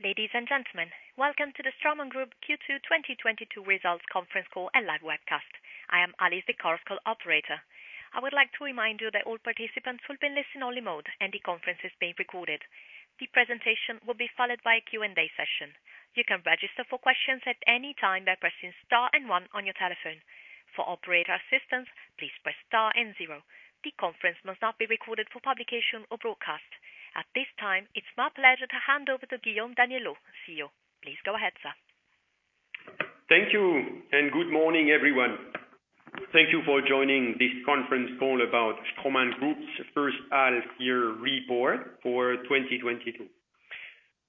Ladies and gentlemen, Welcome to the Straumann Group Q2 2022 Results Conference Call and Live Webcast. I am Alice, the Chorus Call operator. I would like to remind you that all participants will be in listen only mode and the conference is being recorded. The presentation will be followed by a Q&A session. You can register for questions at any time by pressing star and one on your telephone. For operator assistance, please press star and zero. The conference must not be recorded for publication or broadcast. At this time, it's my pleasure to hand over to Guillaume Daniellot, CEO. Please go ahead, sir. Thank you, and good morning, everyone. Thank you for joining this conference call about Straumann Group's first half year report for 2022.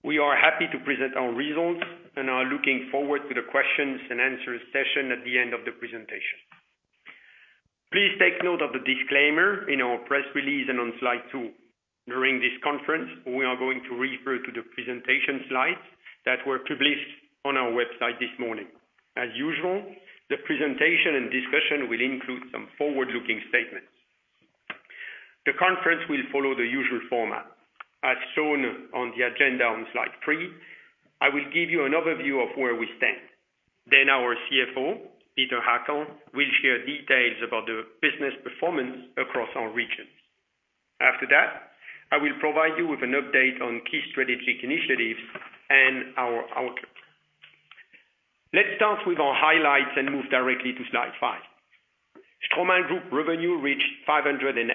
We are happy to present our results and are looking forward to the questions and answers session at the end of the presentation. Please take note of the disclaimer in our press release and on slide two. During this conference, we are going to refer to the presentation slides that were published on our website this morning. As usual, the presentation and discussion will include some forward-looking statements. The conference will follow the usual format. As shown on the agenda on slide three, I will give you an overview of where we stand. Our CFO, Peter Hackel, will share details about the business performance across our regions. After that, I will provide you with an update on key strategic initiatives and our outlook. Let's start with our highlights and move directly to slide five. Straumann Group revenue reached 589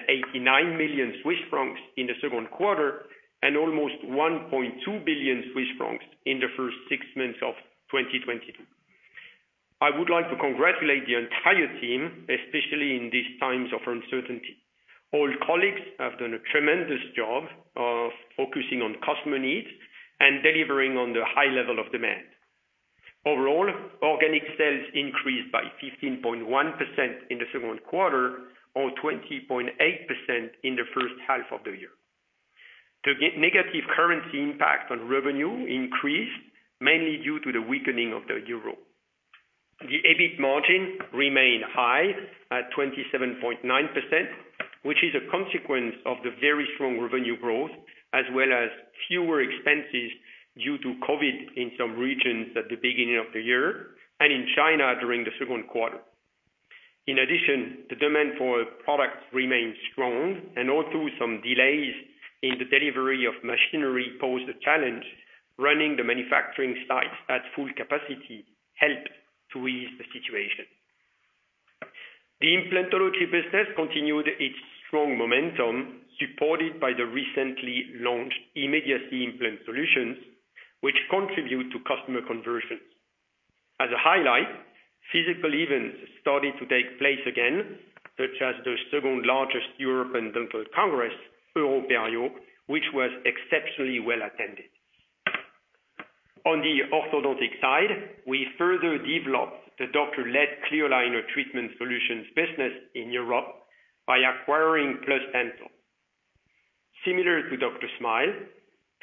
million Swiss francs in the second quarter, and almost 1.2 billion Swiss francs in the first six months of 2022. I would like to congratulate the entire team, especially in these times of uncertainty. All colleagues have done a tremendous job of focusing on customer needs and delivering on the high level of demand. Overall, organic sales increased by 15.1% in the second quarter, or 20.8% in the first half of the year. The net negative currency impact on revenue increased mainly due to the weakening of the euro. The EBIT margin remained high at 27.9%, which is a consequence of the very strong revenue growth as well as fewer expenses due to COVID in some regions at the beginning of the year, and in China during the second quarter. In addition, the demand for products remains strong and although some delays in the delivery of machinery pose a challenge, running the manufacturing sites at full capacity help to ease the situation. The implantology business continued its strong momentum, supported by the recently launched immediate implant solutions, which contribute to customer conversions. As a highlight, physical events started to take place again, such as the second largest European Dental Congress, EuroPerio, which was exceptionally well attended. On the orthodontic side, we further developed the doctor-led Clear Aligner treatment solutions business in Europe by acquiring PlusDental. Similar to DrSmile,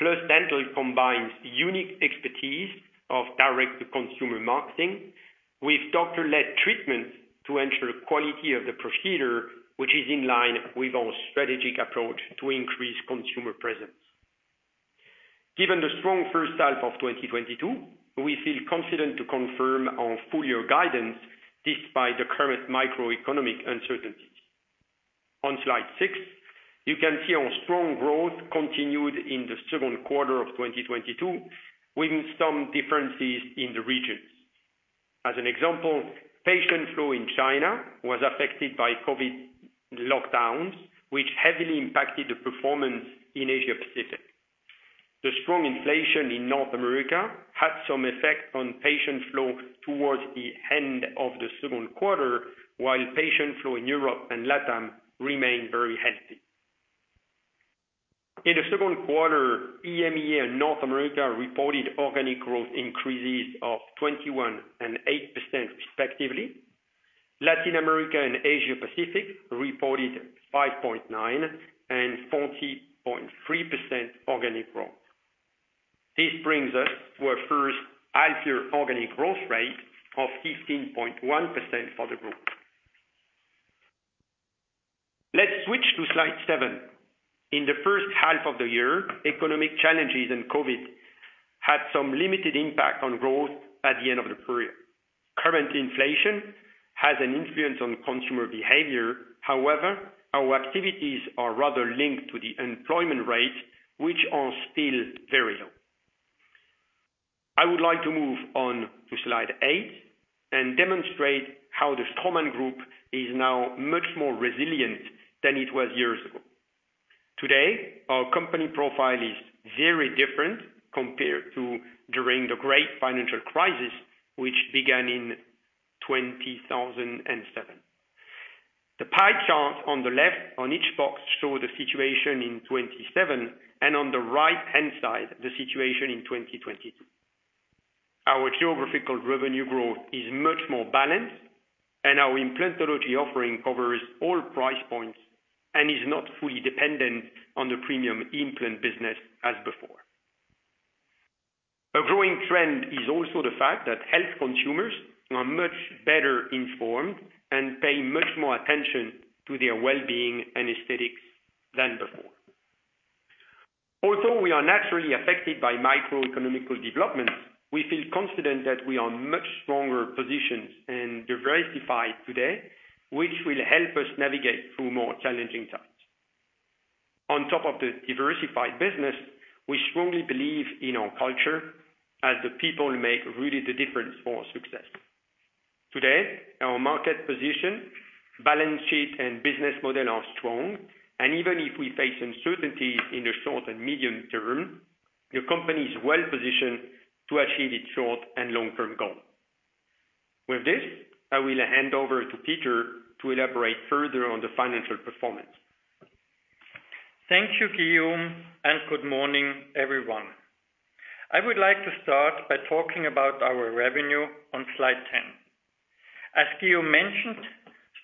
PlusDental combines unique expertise of direct-to-consumer marketing with doctor-led treatments to ensure quality of the procedure, which is in line with our strategic approach to increase consumer presence. Given the strong first half of 2022, we feel confident to confirm our full year guidance despite the current macroeconomic uncertainty. On slide six, you can see our strong growth continued in the second quarter of 2022, with some differences in the regions. As an example, patient flow in China was affected by COVID lockdowns, which heavily impacted the performance in Asia Pacific. The strong inflation in North America had some effect on patient flow towards the end of the second quarter, while patient flow in Europe and LATAM remained very healthy. In the second quarter, EMEA and North America reported organic growth increases of 21% and 8% respectively. Latin America and Asia Pacific reported 5.9% and 40.3% organic growth. This brings us to a first half-year organic growth rate of 15.1% for the group. Let's switch to slide seven. In the first half of the year, economic challenges and COVID had some limited impact on growth at the end of the period. Current inflation has an influence on consumer behavior. However, our activities are rather linked to the employment rate, which are still very low. I would like to move on to slide eight and demonstrate how the Straumann Group is now much more resilient than it was years ago. Today, our company profile is very different compared to during the great financial crisis which began in 2007. The pie chart on the left on each box shows the situation in 2017, and on the right-hand side, the situation in 2022. Our geographical revenue growth is much more balanced and our implantology offering covers all price points and is not fully dependent on the premium implant business as before. A growing trend is also the fact that health consumers are much better informed and pay much more attention to their well-being and aesthetics than before. Although we are naturally affected by macro-economic developments, we feel confident that we are much stronger positioned and diversified today, which will help us navigate through more challenging times. On top of the diversified business, we strongly believe in our culture as the people make really the difference for success. Today, our market position, balance sheet, and business model are strong, and even if we face uncertainties in the short and medium term, the company is well positioned to achieve its short and long-term goal. With this, I will hand over to Peter to elaborate further on the financial performance. Thank you, Guillaume, and good morning, everyone. I would like to start by talking about our revenue on slide 10. As Guillaume mentioned,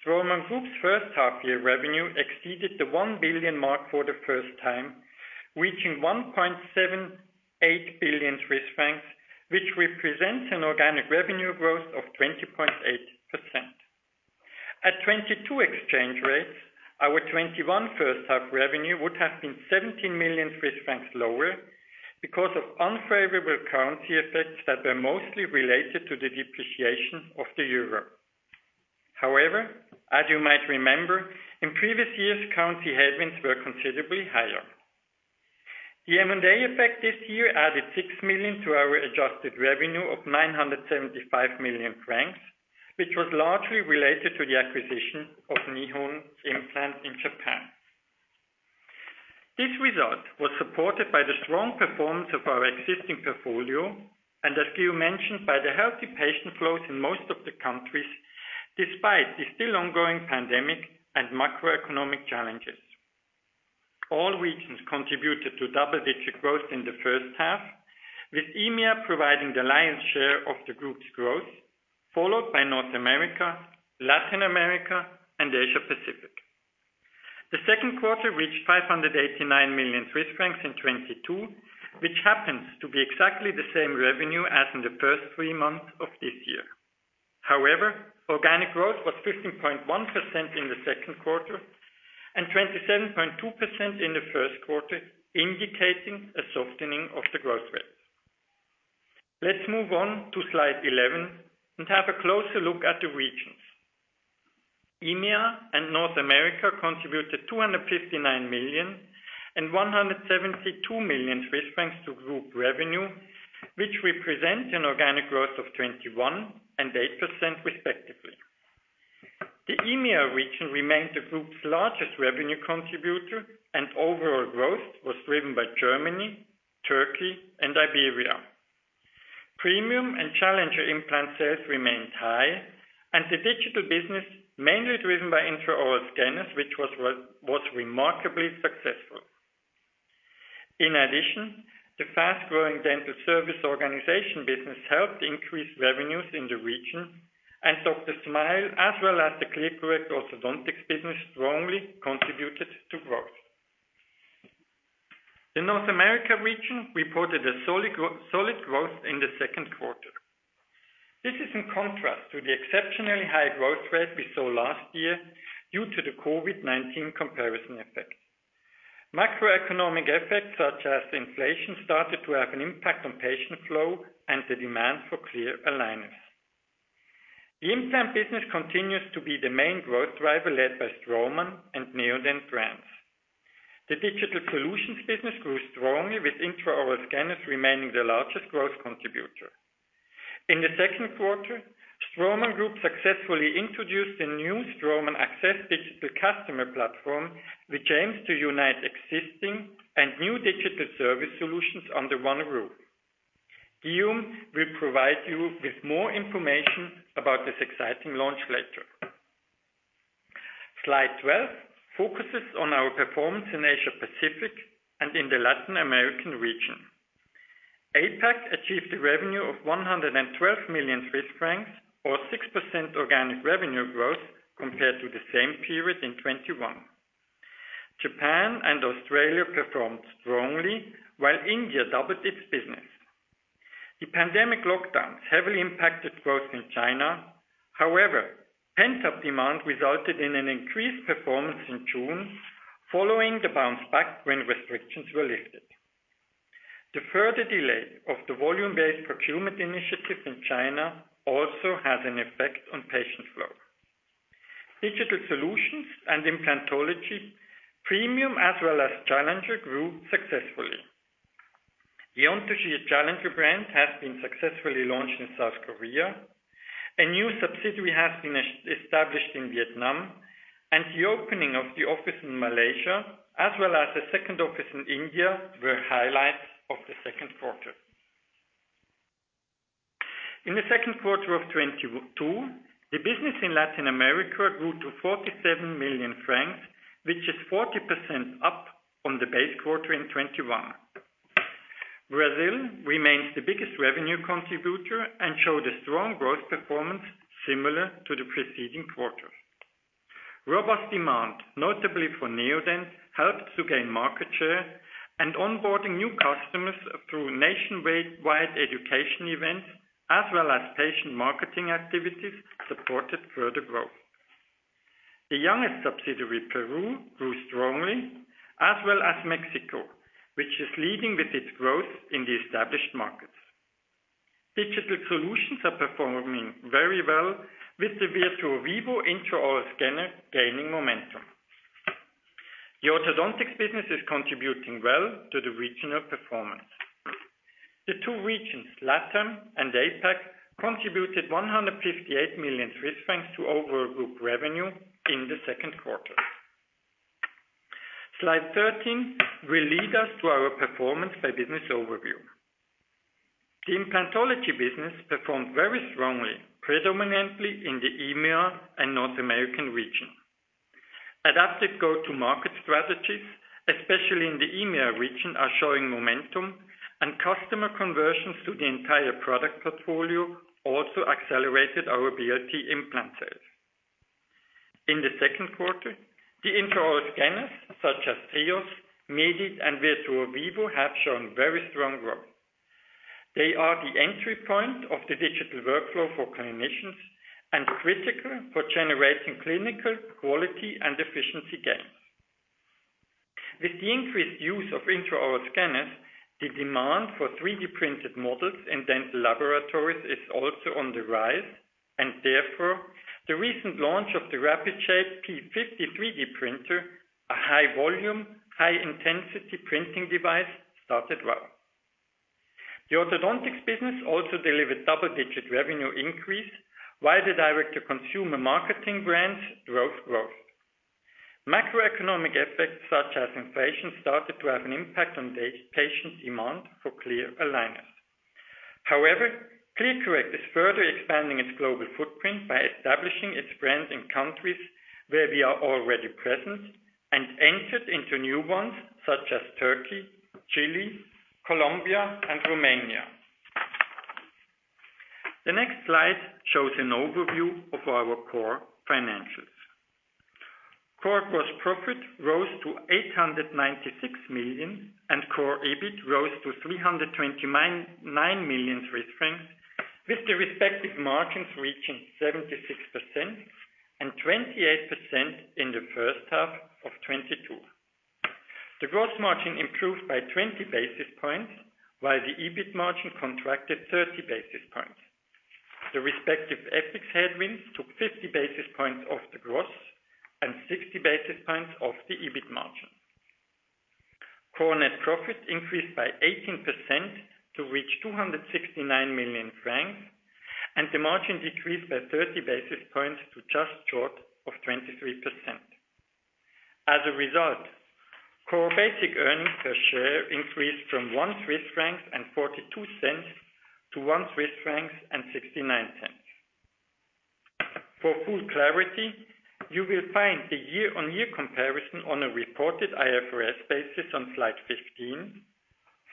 Straumann Group's first half year revenue exceeded the 1 billion mark for the first time, reaching 1.78 billion Swiss francs, which represents an organic revenue growth of 20.8%. At 2022 exchange rates, our 2021 first half revenue would have been 17 million Swiss francs lower because of unfavorable currency effects that were mostly related to the depreciation of the euro. However, as you might remember, in previous years, currency headwinds were considerably higher. The M&A effect this year added 6 million to our adjusted revenue of 975 million francs, which was largely related to the acquisition of Nihon Implant in Japan. This result was supported by the strong performance of our existing portfolio and as Guillaume mentioned by the healthy patient flows in most of the countries, despite the still ongoing pandemic and macroeconomic challenges. All regions contributed to double-digit growth in the first half, with EMEA providing the lion's share of the group's growth, followed by North America, Latin America, and Asia Pacific. The second quarter reached 589 million Swiss francs in 2022, which happens to be exactly the same revenue as in the first three months of this year. However, organic growth was 15.1% in the second quarter and 27.2% in the first quarter, indicating a softening of the growth rate. Let's move on to slide 11 and have a closer look at the regions. EMEA and North America contributed 259 million and 172 million Swiss francs to group revenue, which represent an organic growth of 21% and 8% respectively. The EMEA region remained the group's largest revenue contributor and overall growth was driven by Germany, Turkey, and Iberia. Premium and Challenger implant sales remained high, and the digital business mainly driven by intraoral scanners, which was remarkably successful. In addition, the fast-growing dental service organization business helped increase revenues in the region, and DrSmile, as well as the ClearCorrect orthodontics business, strongly contributed to growth. The North America region reported a solid growth in the second quarter. This is in contrast to the exceptionally high growth rate we saw last year due to the COVID-19 comparison effect. Macroeconomic effects such as inflation started to have an impact on patient flow and the demand for clear aligners. The implant business continues to be the main growth driver led by Straumann and Neodent brands. The digital solutions business grew strongly with intraoral scanners remaining the largest growth contributor. In the second quarter, Straumann Group successfully introduced a new Straumann AXS digital customer platform, which aims to unite existing and new digital service solutions under one roof. Guillaume will provide you with more information about this exciting launch later. Slide 12 focuses on our performance in Asia-Pacific and in the Latin American region. APAC achieved a revenue of 112 million Swiss francs or 6% organic revenue growth compared to the same period in 2021. Japan and Australia performed strongly, while India doubled its business. The pandemic lockdowns heavily impacted growth in China. However, pent-up demand resulted in an increased performance in June, following the bounce back when restrictions were lifted. The further delay of the volume-based procurement initiative in China also has an effect on patient flow. Digital solutions and implantology premium as well as challenger grew successfully. The Anthogyr challenger brand has been successfully launched in South Korea. A new subsidiary has been established in Vietnam, and the opening of the office in Malaysia as well as the second office in India were highlights of the second quarter. In the second quarter of 2022, the business in Latin America grew to 47 million francs, which is 40% up from the base quarter in 2021. Brazil remains the biggest revenue contributor and showed a strong growth performance similar to the preceding quarter. Robust demand, notably for Neodent, helped to gain market share and onboarding new customers through nationwide education events, as well as patient marketing activities supported further growth. The youngest subsidiary, Peru, grew strongly as well as Mexico, which is leading with its growth in the established markets. Digital solutions are performing very well with the Virtuo Vivo Intraoral Scanner gaining momentum. The orthodontics business is contributing well to the regional performance. The two regions, LATAM and APAC, contributed 158 million Swiss francs to overall group revenue in the second quarter. Slide 13 will lead us to our performance by business overview. The implantology business performed very strongly, predominantly in the EMEA and North American region. Adaptive go-to-market strategies, especially in the EMEA region, are showing momentum, and customer conversions to the entire product portfolio also accelerated our BLT implant sales. In the second quarter, the intraoral scanners such as Trios, Medit, and Virtuo Vivo have shown very strong growth. They are the entry point of the digital workflow for clinicians and critical for generating clinical quality and efficiency gains. With the increased use of intraoral scanners, the demand for 3D printed models in dental laboratories is also on the rise, and therefore the recent launch of the Rapid Shape P50 3D printer, a high-volume, high-intensity printing device started well. The orthodontics business also delivered double-digit revenue increase via the direct-to-consumer marketing brands drove growth. Macroeconomic effects such as inflation started to have an impact on the patient demand for clear aligners. However, ClearCorrect is further expanding its global footprint by establishing its brand in countries where we are already present and entered into new ones such as Turkey, Chile, Colombia, and Romania. The next slide shows an overview of our core financials. Core gross profit rose to 896 million, and core EBIT rose to 329.9 million Swiss francs, with the respective margins reaching 76% and 28% in the first half of 2022. The gross margin improved by 20 basis points while the EBIT margin contracted 30 basis points. The respective FX headwinds took 50 basis points off the gross and 60 basis points off the EBIT margin. Core net profit increased by 18% to reach 269 million francs, and the margin decreased by 30 basis points to just short of 23%. As a result, core basic earnings per share increased from 1.42 Swiss francs to 1.69 Swiss francs. For full clarity, you will find the year-on-year comparison on a reported IFRS basis on slide 15,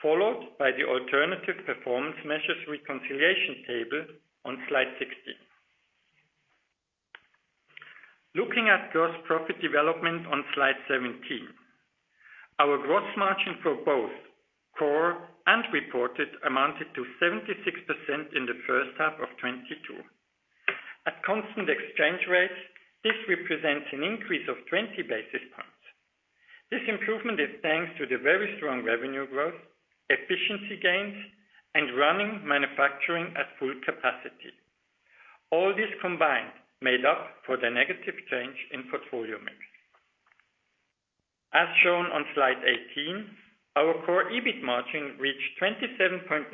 followed by the alternative performance measures reconciliation table on slide 16. Looking at gross profit development on slide 17. Our gross margin for both core and reported amounted to 76% in the first half of 2022. At constant exchange rates, this represents an increase of 20 basis points. This improvement is thanks to the very strong revenue growth, efficiency gains, and running manufacturing at full capacity. All these combined made up for the negative change in portfolio mix. As shown on slide 18, our core EBIT margin reached 27.9%,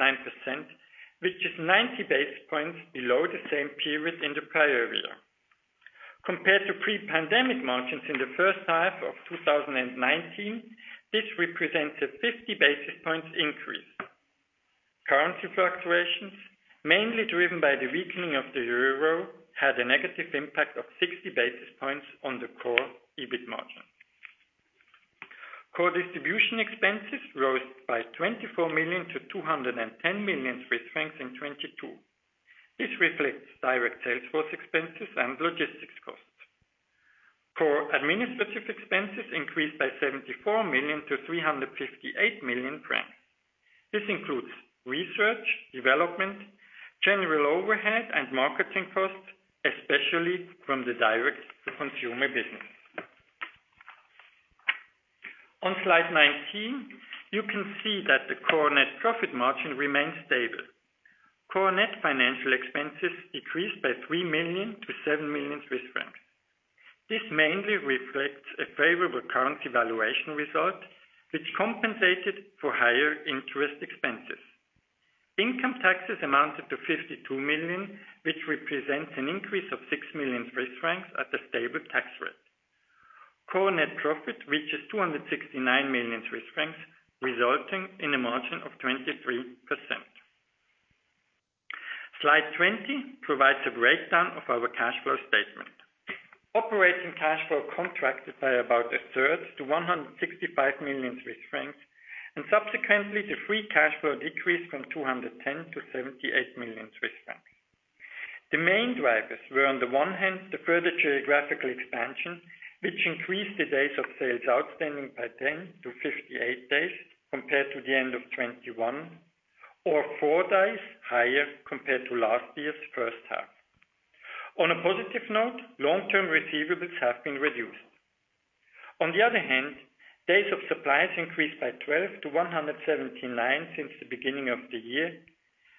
which is 90 basis points below the same period in the prior year. Compared to pre-pandemic margins in the first half of 2019, this represents a 50 basis points increase. Currency fluctuations, mainly driven by the weakening of the euro, had a negative impact of 60 basis points on the core EBIT margin. Core distribution expenses rose by 24 million to 210 million Swiss francs in 2022. This reflects direct sales force expenses and logistics costs. Core administrative expenses increased by 74 million-358 million francs. This includes research, development, general overhead, and marketing costs, especially from the direct to consumer business. On Slide 19, you can see that the core net profit margin remains stable. Core net financial expenses decreased by 3 million to 7 million Swiss francs. This mainly reflects a favorable currency valuation result which compensated for higher interest expenses. Income taxes amounted to 52 million, which represents an increase of 6 million Swiss francs at a stable tax rate. Core net profit reaches 269 million Swiss francs, resulting in a margin of 23%. Slide 20 provides a breakdown of our cash flow statement. Operating cash flow contracted by about a third to 165 million Swiss francs. Subsequently, the free cash flow decreased from 210 to 78 million Swiss francs. The main drivers were, on the one hand, the further geographical expansion, which increased the days of sales outstanding by 10-58 days compared to the end of 2021, or four days higher compared to last year's first half. On a positive note, long-term receivables have been reduced. On the other hand, days of suppliers increased by 12179 since the beginning of the year,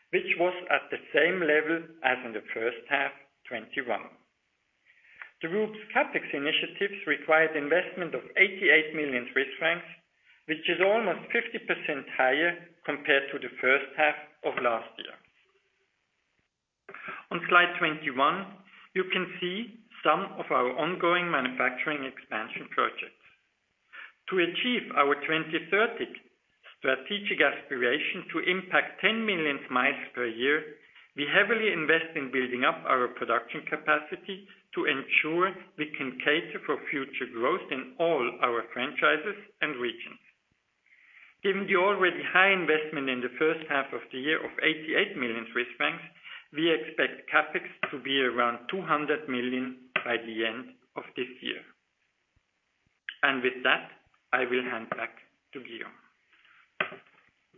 which was at the same level as in the first half of 2021. The group's CapEx initiatives required investment of 88 million Swiss francs, which is almost 50% higher compared to the first half of last year. On slide 21, you can see some of our ongoing manufacturing expansion projects. To achieve our 2030 strategic aspiration to impact 10 million smiles per year, we heavily invest in building up our production capacity to ensure we can cater for future growth in all our franchises and regions. Given the already high investment in the first half of the year of 88 million Swiss francs, we expect CapEx to be around 200 million by the end of this year. With that, I will hand back to Guillaume.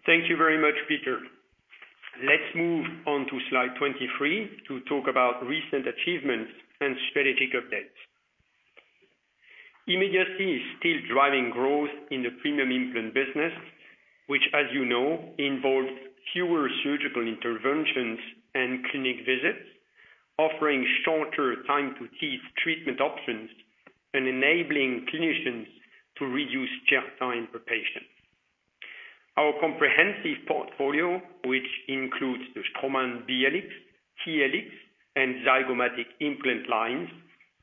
Thank you very much, Peter. Let's move on to slide 23 to talk about recent achievements and strategic updates. Immediate is still driving growth in the premium implant business, which as you know, involves fewer surgical interventions and clinic visits, offering shorter time to teeth treatment options, and enabling clinicians to reduce chair time per patient. Our comprehensive portfolio, which includes the Straumann BLX, TLX, and Zygoma implant lines,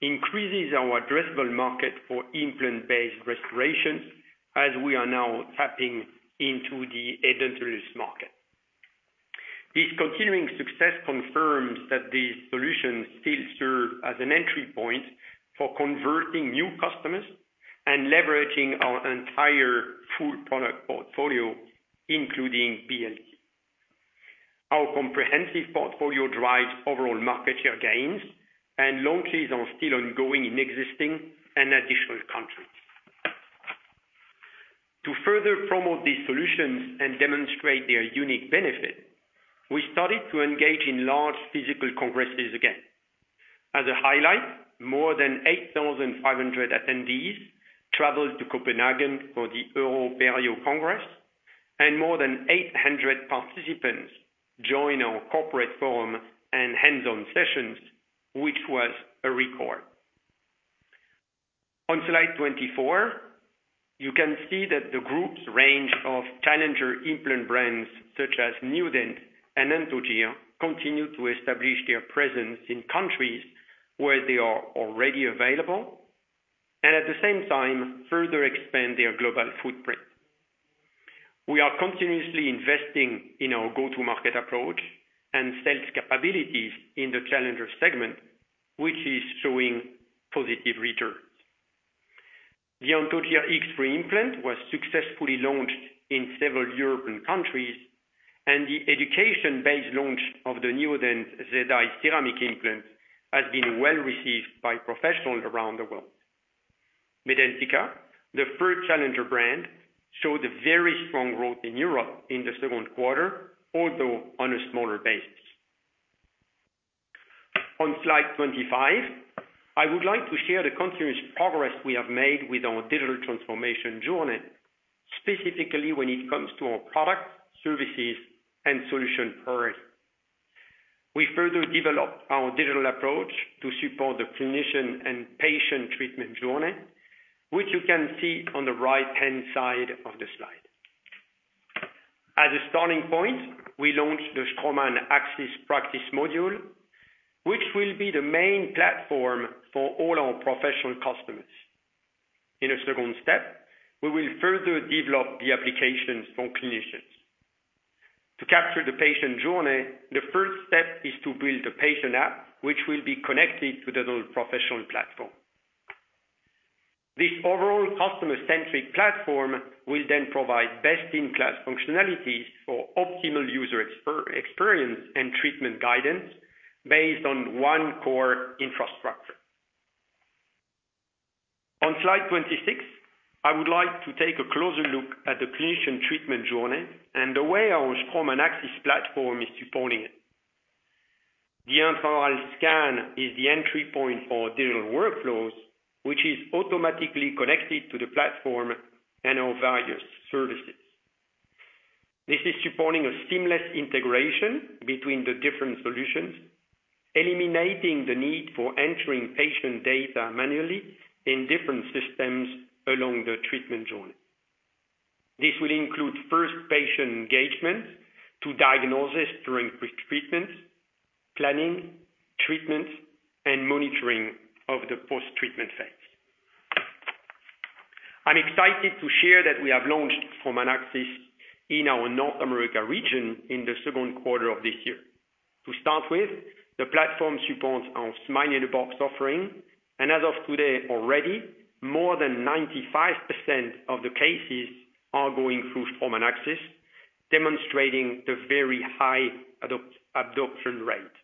increases our addressable market for implant-based restorations, as we are now tapping into the edentulous market. This continuing success confirms that these solutions still serve as an entry point for converting new customers and leveraging our entire full product portfolio, including BLT. Our comprehensive portfolio drives overall market share gains and long leads are still ongoing in existing and additional countries. To further promote these solutions and demonstrate their unique benefit, we started to engage in large physical congresses again. As a highlight, more than 8,500 attendees traveled to Copenhagen for the EuroPerio Congress, and more than 800 participants joined our corporate forum and hands-on sessions, which was a record. On slide 24, you can see that the group's range of challenger implant brands, such as Neodent and Anthogyr, continue to establish their presence in countries where they are already available, and at the same time further expand their global footprint. We are continuously investing in our go-to-market approach and sales capabilities in the challenger segment, which is showing positive returns. The Anthogyr X3 implant was successfully launched in several European countries, and the education-based launch of the Neodent Zi ceramic implant has been well received by professionals around the world. Medentika, the first challenger brand, showed a very strong growth in Europe in the second quarter, although on a smaller basis. On slide 25, I would like to share the continuous progress we have made with our digital transformation journey, specifically when it comes to our product, services, and solution priority. We further developed our digital approach to support the clinician and patient treatment journey, which you can see on the right-hand side of the slide. As a starting point, we launched the Straumann AXS practice module, which will be the main platform for all our professional customers. In a second step, we will further develop the applications for clinicians. To capture the patient journey, the first step is to build a patient app which will be connected to the digital professional platform. This overall customer-centric platform will then provide best-in-class functionalities for optimal user experience and treatment guidance based on one core infrastructure. On slide 26, I would like to take a closer look at the clinician treatment journey and the way our Straumann AXS platform is supporting it. The intraoral scan is the entry point for digital workflows, which is automatically connected to the platform and our various services. This is supporting a seamless integration between the different solutions, eliminating the need for entering patient data manually in different systems along the treatment journey. This will include first patient engagement to diagnosis during pre-treatment, planning, treatment, and monitoring of the post-treatment phase. I'm excited to share that we have launched Straumann AXS in our North America region in the second quarter of this year. To start with, the platform supports our Smile in a Box offering, and as of today already, more than 95% of the cases are going through Straumann AXS, demonstrating the very high adoption absorption rate.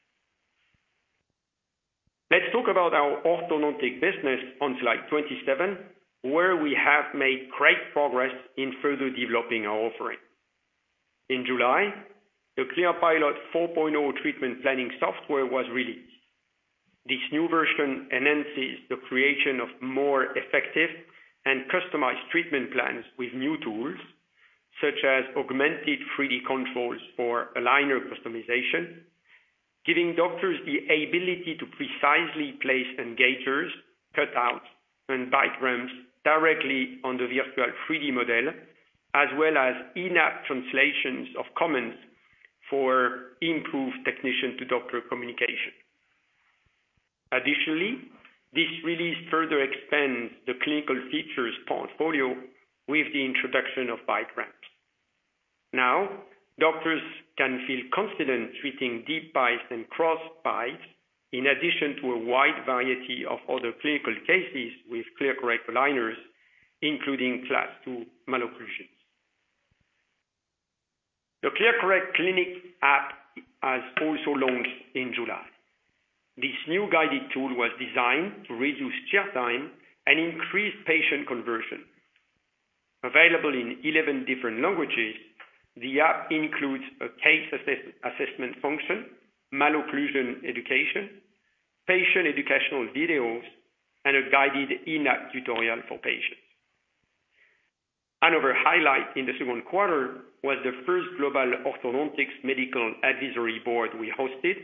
Let's talk about our orthodontic business on slide 27, where we have made great progress in further developing our offering. In July, the ClearPilot 4.0 treatment planning software was released. This new version enhances the creation of more effective and customized treatment plans with new tools, such as augmented 3D controls for aligner customization, giving doctors the ability to precisely place engagers, cutouts, and bite ramps directly on the virtual 3D model, as well as in-app translations of comments for improved technician-to-doctor communication. Additionally, this release further expands the clinical features portfolio with the introduction of bite ramps. Now, doctors can feel confident treating deep bites and cross bites in addition to a wide variety of other clinical cases with ClearCorrect aligners, including Class II malocclusions. The ClearCorrect clinic app has also launched in July. This new guided tool was designed to reduce chair time and increase patient conversion. Available in 11 different languages, the app includes a case assessment function, malocclusion education, patient educational videos, and a guided in-app tutorial for patients. Another highlight in the second quarter was the first global orthodontics medical advisory board we hosted,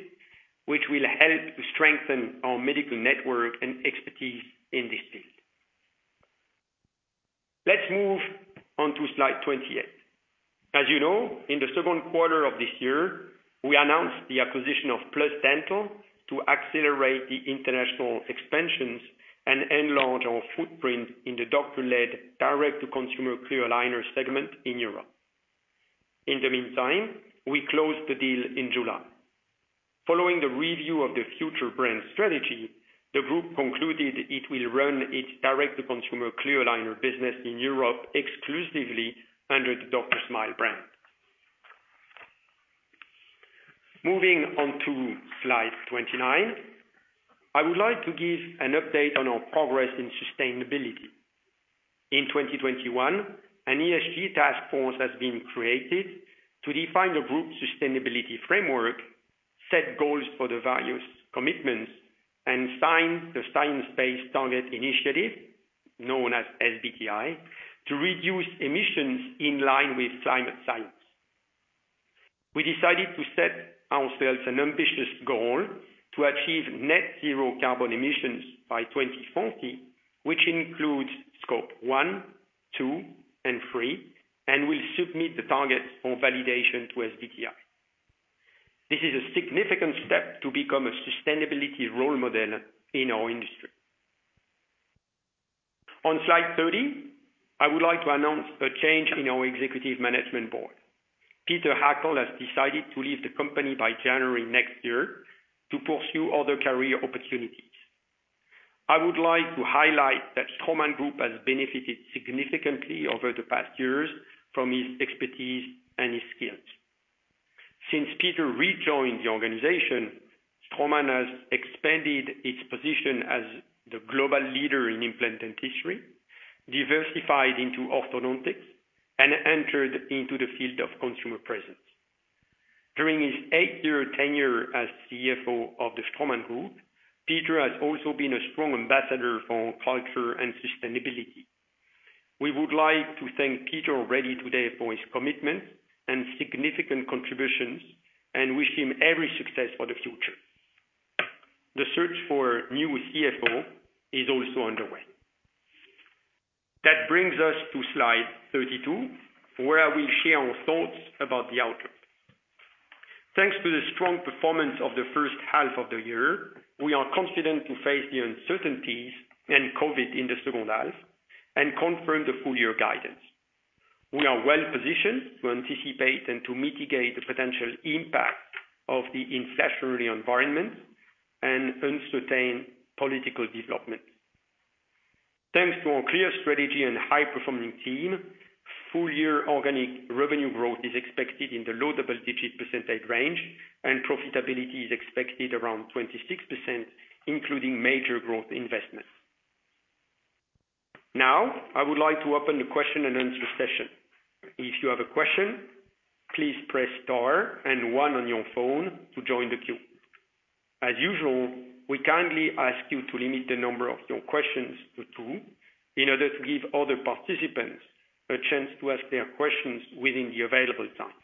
which will help to strengthen our medical network and expertise in this field. Let's move on to slide 28. As you know, in the second quarter of this year, we announced the acquisition of PlusDental to accelerate the international expansions and enlarge our footprint in the doctor-led direct to consumer clear aligner segment in Europe. In the meantime, we closed the deal in July. Following the review of the future brand strategy, the group concluded it will run its direct to consumer clear aligner business in Europe exclusively under the DrSmile brand. Moving on to slide 29, I would like to give an update on our progress in sustainability. In 2021, an ESG task force has been created to define the group's sustainability framework, set goals for the various commitments, and sign the Science Based Targets initiative, known as SBTi, to reduce emissions in line with climate science. We decided to set ourselves an ambitious goal to achieve net zero carbon emissions by 2040, which includes scope 1, 2, and 3, and will submit the target for validation to SBTi. This is a significant step to become a sustainability role model in our industry. On slide 30, I would like to announce a change in our executive management board. Peter Hackel has decided to leave the company by January next year to pursue other career opportunities. I would like to highlight that Straumann Group has benefited significantly over the past years from his expertise and his skills. Since Peter rejoined the organization, Straumann has expanded its position as the global leader in implant dentistry, diversified into orthodontics, and entered into the field of consumer presence. During his eight-year tenure as CFO of the Straumann Group, Peter has also been a strong ambassador for culture and sustainability. We would like to thank Peter already today for his commitment and significant contributions, and wish him every success for the future. The search for new CFO is also underway. That brings us to slide 32, where I will share our thoughts about the outlook. Thanks to the strong performance of the first half of the year, we are confident to face the uncertainties and COVID in the second half, and confirm the full year guidance. We are well positioned to anticipate and to mitigate the potential impact of the inflationary environment and uncertain political development. Thanks to our clear strategy and high-performing team, full-year organic revenue growth is expected in the low double-digit percentage range, and profitability is expected around 26%, including major growth investments. Now, I would like to open the question-and-answer session. If you have a question, please press star and one on your phone to join the queue. As usual, we kindly ask you to limit the number of your questions to two, in order to give other participants a chance to ask their questions within the available time.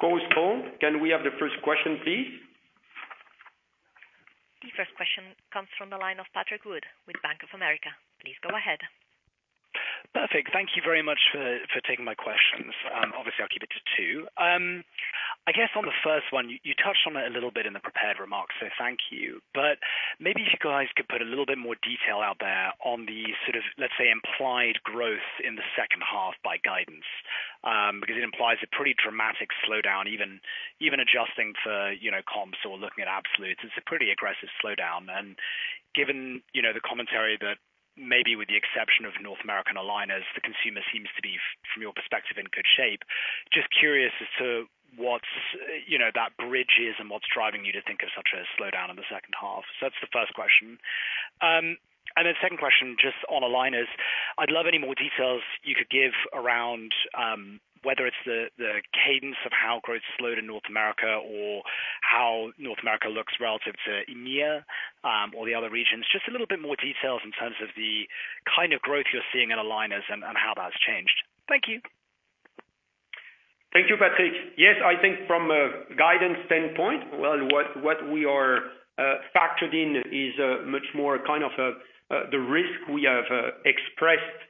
Host, can we have the first question, please? The first question comes from the line of Patrick Wood with Bank of America. Please go ahead. Perfect. Thank you very much for taking my questions. Obviously I'll keep it to two. I guess on the first one, you touched on it a little bit in the prepared remarks, so thank you. Maybe if you guys could put a little bit more detail out there on the sort of, let's say, implied growth in the second half by guidance, because it implies a pretty dramatic slowdown, even adjusting for, you know, comps or looking at absolutes, it's a pretty aggressive slowdown. Given, you know, the commentary that maybe with the exception of North American aligners, the consumer seems to be, from your perspective, in good shape. Just curious as to what's, you know, that bridge is and what's driving you to think of such a slowdown in the second half. That's the first question. Second question, just on aligners. I'd love any more details you could give around, whether it's the cadence of how growth slowed in North America or how North America looks relative to EMEA, or the other regions. Just a little bit more details in terms of the kind of growth you're seeing in aligners and how that's changed. Thank you. Thank you, Patrick. Yes, I think from a guidance standpoint, what we have factored in is a much more kind of risk we have expressed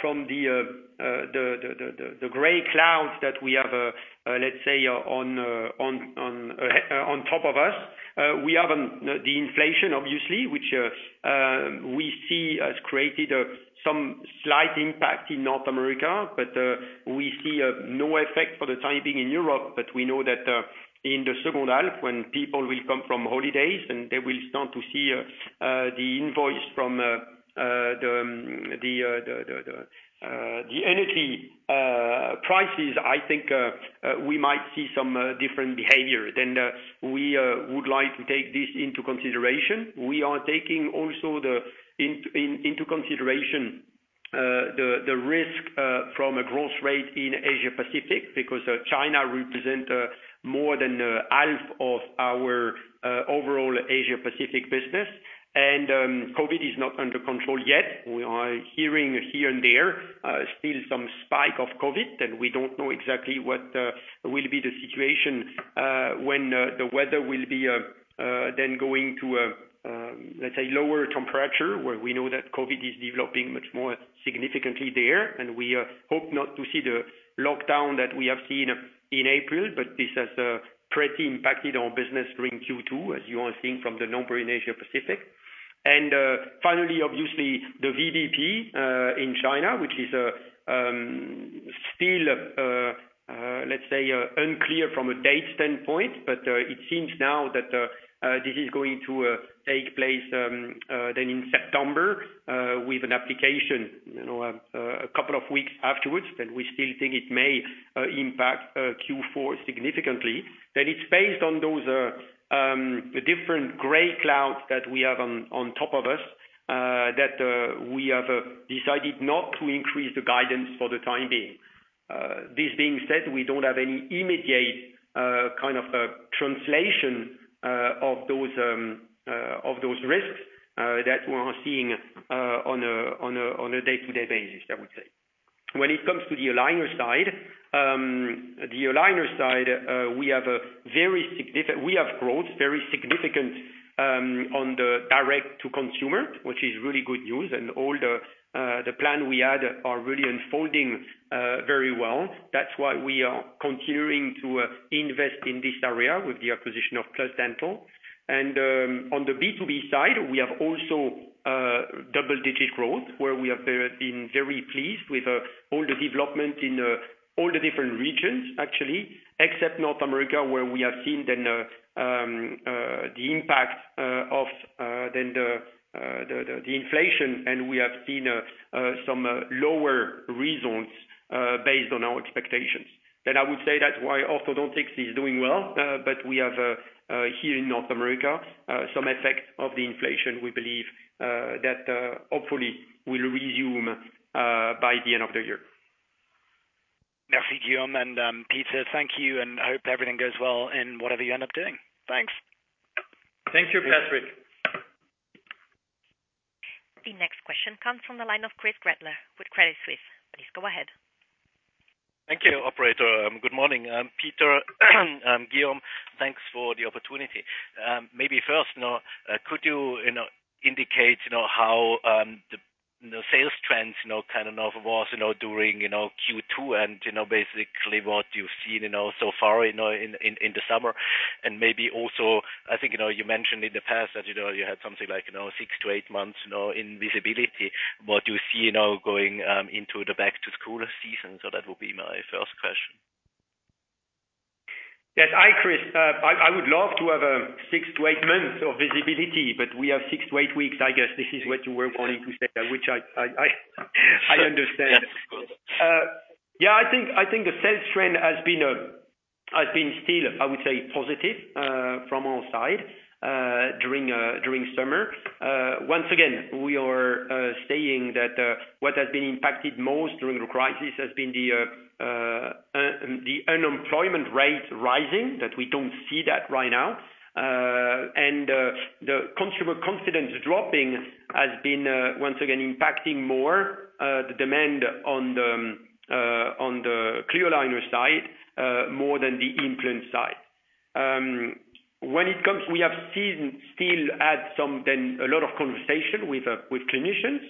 from the gray clouds that we have, let's say, on top of us. We have the inflation, obviously, which we see has created some slight impact in North America, but we see no effect for the time being in Europe. We know that in the second half, when people will come from holidays and they will start to see the invoice from the energy prices, I think we might see some different behavior. We would like to take this into consideration. We are taking also into consideration the risk from a growth rate in Asia Pacific because China represent more than half of our overall Asia Pacific business. COVID is not under control yet. We are hearing here and there still some spike of COVID, and we don't know exactly what will be the situation when the weather will be then going to let's say lower temperature, where we know that COVID is developing much more significantly there. We hope not to see the lockdown that we have seen in April, but this has pretty impacted our business during Q2, as you are seeing from the number in Asia Pacific. Finally, obviously, the VBP in China, which is still, let's say, unclear from a date standpoint, but it seems now that this is going to take place then in September with an application, you know, a couple of weeks afterwards. We still think it may impact Q4 significantly. That it's based on those different gray clouds that we have on top of us that we have decided not to increase the guidance for the time being. This being said, we don't have any immediate kind of translation of those risks that we are seeing on a day-to-day basis, I would say. When it comes to the aligner side, we have very significant growth on the direct-to-consumer, which is really good news. All the plan we had are really unfolding very well. That's why we are continuing to invest in this area with the acquisition of PlusDental. On the B2B side, we have also double-digit growth, where we have been very pleased with all the development in all the different regions, actually, except North America, where we have seen the impact of the inflation. We have seen some lower revenues based on our expectations. I would say that's why orthodontics is doing well, but we have, here in North America, some effect of the inflation, we believe, that, hopefully will resume, by the end of the year. Merci, Guillaume. Peter, thank you, and hope everything goes well in whatever you end up doing. Thanks. Thank you, Patrick. The next question comes from the line of Chris Bohnert with Credit Suisse. Please go ahead. Thank you, operator. Good morning, Peter, Guillaume, thanks for the opportunity. Maybe first, you know, could you know, indicate, you know, how the sales trends, you know, kind of was, you know, during, you know, Q2 and, you know, basically what you've seen, you know, so far, you know, in the summer? Maybe also, I think, you know, you mentioned in the past that, you know, you had something like, you know, six-eight months, you know, in visibility. What do you see now going into the back to school season? That would be my first question. Yes. Hi, Chris, I would love to have six-eight months of visibility, but we have six-eight weeks, I guess. This is what you were wanting to say, which I understand. Yeah, I think the sales trend has been still, I would say positive, from our side, during summer. Once again, we are saying that what has been impacted most during the crisis has been the unemployment rate rising, that we don't see that right now. The consumer confidence dropping has been once again impacting more the demand on the clear aligner side, more than the implant side. When it comes, we have seen still at some then a lot of conversation with clinicians.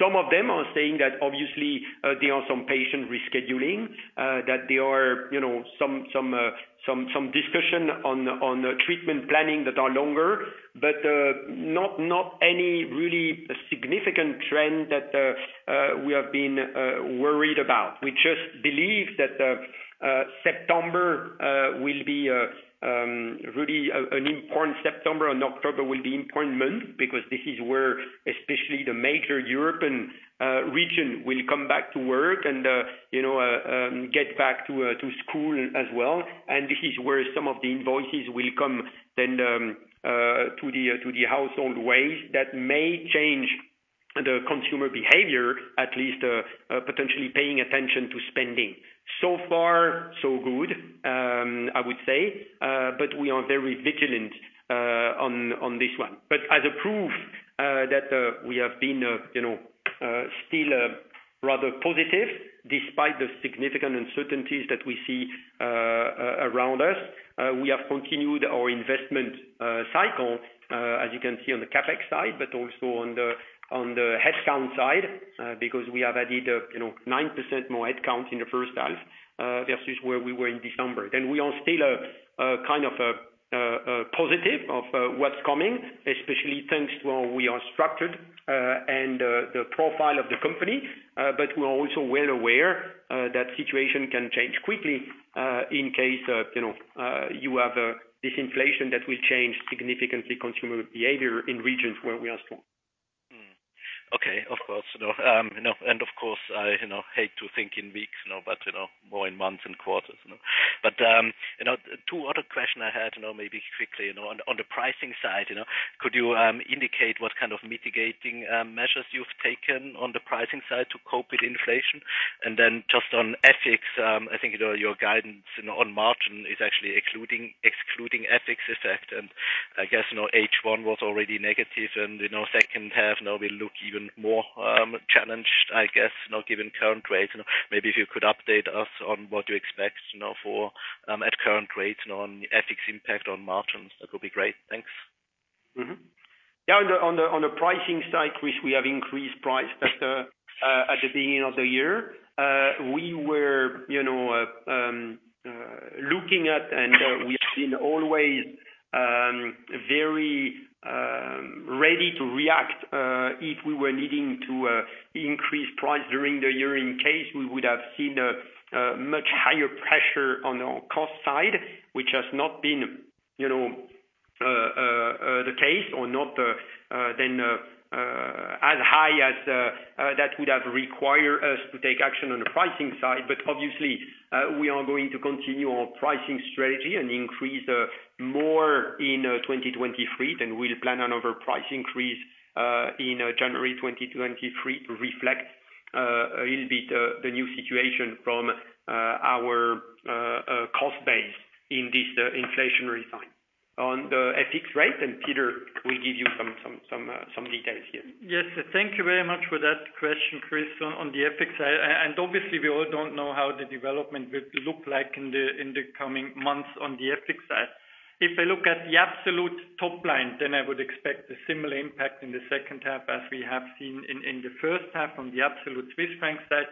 Some of them are saying that obviously, there are some patient rescheduling, that there are, you know, some discussion on treatment planning that are longer. Not any really significant trend that we have been worried about. We just believe that September will be really an important September and October will be important month because this is where especially the major European region will come back to work and, you know, get back to school as well. This is where some of the invoices will come then, to the household wage that may change the consumer behavior at least, potentially paying attention to spending. So far, so good, I would say, but we are very vigilant on this one. As a proof that we have been, you know, still rather positive despite the significant uncertainties that we see around us, we have continued our investment cycle, as you can see on the CapEx side, but also on the headcount side, because we have added, you know, 9% more headcount in the first half, versus where we were in December. We are still a kind of positive on what's coming, especially thanks to how we are structured and the profile of the company. We are also well aware that situation can change quickly in case you know you have this inflation that will change significantly consumer behavior in regions where we are strong. Okay, of course. No, of course, I hate to think in weeks, you know, but more in months and quarters, you know. Two other question I had, maybe quickly, on the pricing side, you know, could you indicate what kind of mitigating measures you've taken on the pricing side to cope with inflation? Then just on FX, I think, you know, your guidance, you know, on margin is actually excluding FX effect. I guess, you know, H1 was already negative and, you know, second half now will look even more challenged, I guess, you know, given current rates. You know, maybe if you could update us on what you expect, you know, for at current rates, you know, on FX impact on margins, that would be great. Thanks. Yeah. On the pricing side, which we have increased price at the beginning of the year, we were, you know, looking at and we have been always very ready to react if we were needing to increase price during the year in case we would have seen a much higher pressure on our cost side, which has not been, you know, the case or not then as high as that would have required us to take action on the pricing side. Obviously, we are going to continue our pricing strategy and increase more in 2023 than we'll plan on over price increase in January 2023 to reflect a little bit the new situation from our cost base in this inflationary time. On the FX rate, and Peter will give you some details here. Yes. Thank you very much for that question, Chris, on the FX side. And obviously we all don't know how the development will look like in the coming months on the FX side. If I look at the absolute top line, then I would expect a similar impact in the second half as we have seen in the first half on the absolute Swiss franc side.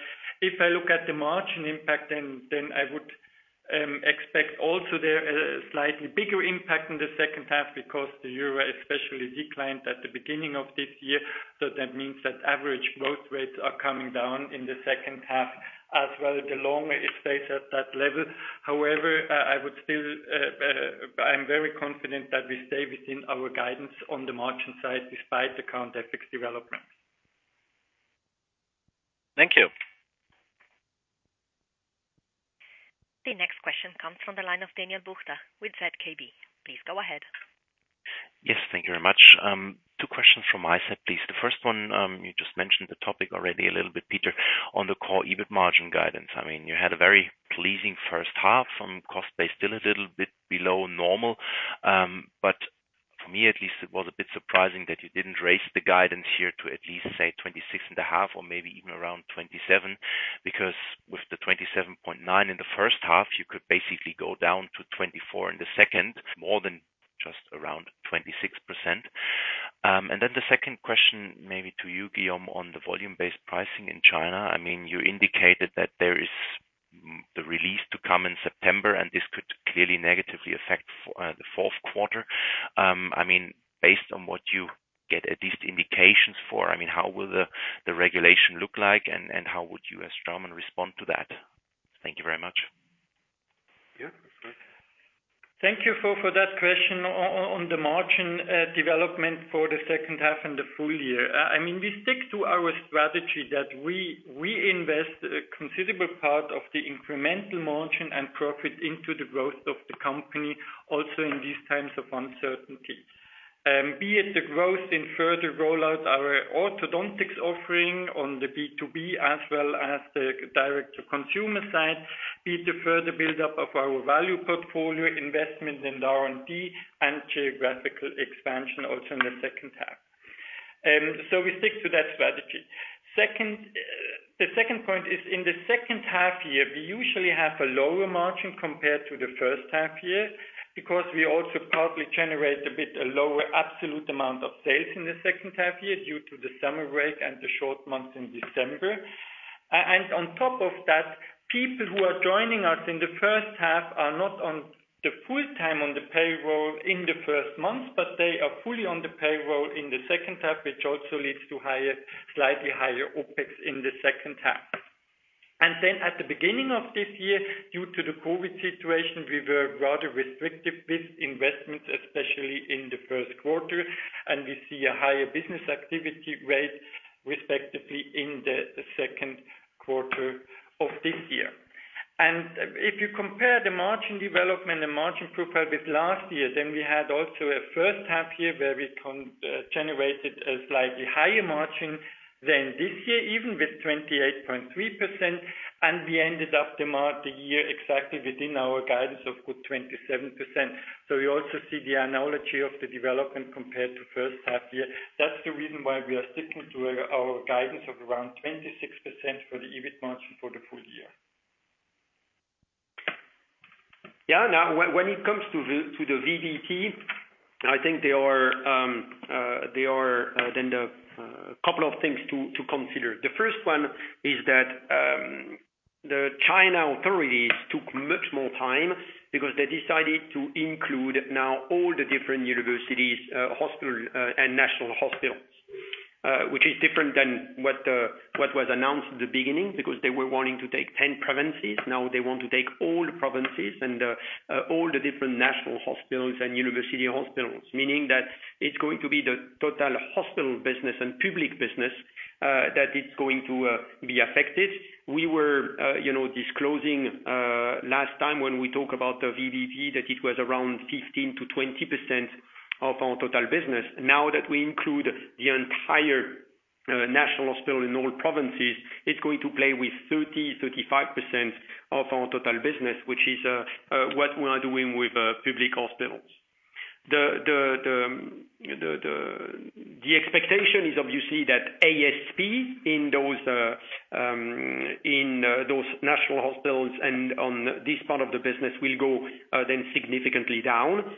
If I look at the margin impact, then I would expect also there a slightly bigger impact in the second half because the euro especially declined at the beginning of this year. That means that average growth rates are coming down in the second half as well the longer it stays at that level. However, I would still, I'm very confident that we stay within our guidance on the margin side despite the current FX development. Thank you. The next question comes from the line of Daniel Buchta with ZKB. Please go ahead. Yes, thank you very much. Two questions from my side, please. The first one, you just mentioned the topic already a little bit, Peter, on the core EBIT margin guidance. I mean, you had a very pleasing first half from cost base, still a little bit below normal. But for me at least, it was a bit surprising that you didn't raise the guidance here to at least 26.5 or maybe even around 27, because with the 27.9 in the first half, you could basically go down to 24 in the second, more than just around 26%. The second question, maybe to you, Guillaume, on the volume-based procurement in China. I mean, you indicated that there is the release to come in September, and this could clearly negatively affect the fourth quarter. I mean, based on what you get at least indications for, I mean, how will the regulation look like and how would you as Straumann respond to that? Thank you very much. Thank you for that question on the margin development for the second half and the full year. I mean, we stick to our strategy that we invest a considerable part of the incremental margin and profit into the growth of the company also in these times of uncertainty. Be it the growth in further rollout our orthodontics offering on the B2B as well as the direct to consumer side, be it the further buildup of our value portfolio investment in R&D and geographical expansion also in the second half. We stick to that strategy. Second, the second point is in the second half year, we usually have a lower margin compared to the first half year, because we also probably generate a bit lower absolute amount of sales in the second half year due to the summer break and the short month in December. And on top of that, people who are joining us in the first half are not on the full-time on the payroll in the first month, but they are fully on the payroll in the second half, which also leads to slightly higher OPEX in the second half. At the beginning of this year, due to the COVID situation, we were rather restrictive with investments, especially in the first quarter, and we see a higher business activity rate respectively in the second quarter of this year. If you compare the margin development and margin profile with last year, then we had also a first half year where we generated a slightly higher margin than this year, even with 28.3%, and we ended up the year exactly within our guidance of good 27%. We also see the analogy of the development compared to first half year. That's the reason why we are sticking to our guidance of around 26% for the EBIT margin for the full year. Now when it comes to the VBP, I think there are a couple of things to consider. The first one is that the Chinese authorities took much more time because they decided to include now all the different university hospitals and national hospitals, which is different than what was announced at the beginning because they were wanting to take 10 provinces. Now they want to take all provinces and all the different national hospitals and university hospitals, meaning that it's going to be the total hospital business and public business that is going to be affected. We were you know disclosing last time when we talk about the VBP, that it was around 15%-20% of our total business. Now that we include the entire national hospital in all provinces, it's going to be 30%-35% of our total business, which is what we are doing with public hospitals. The expectation is obviously that ASP in those national hospitals and on this part of the business will go then significantly down.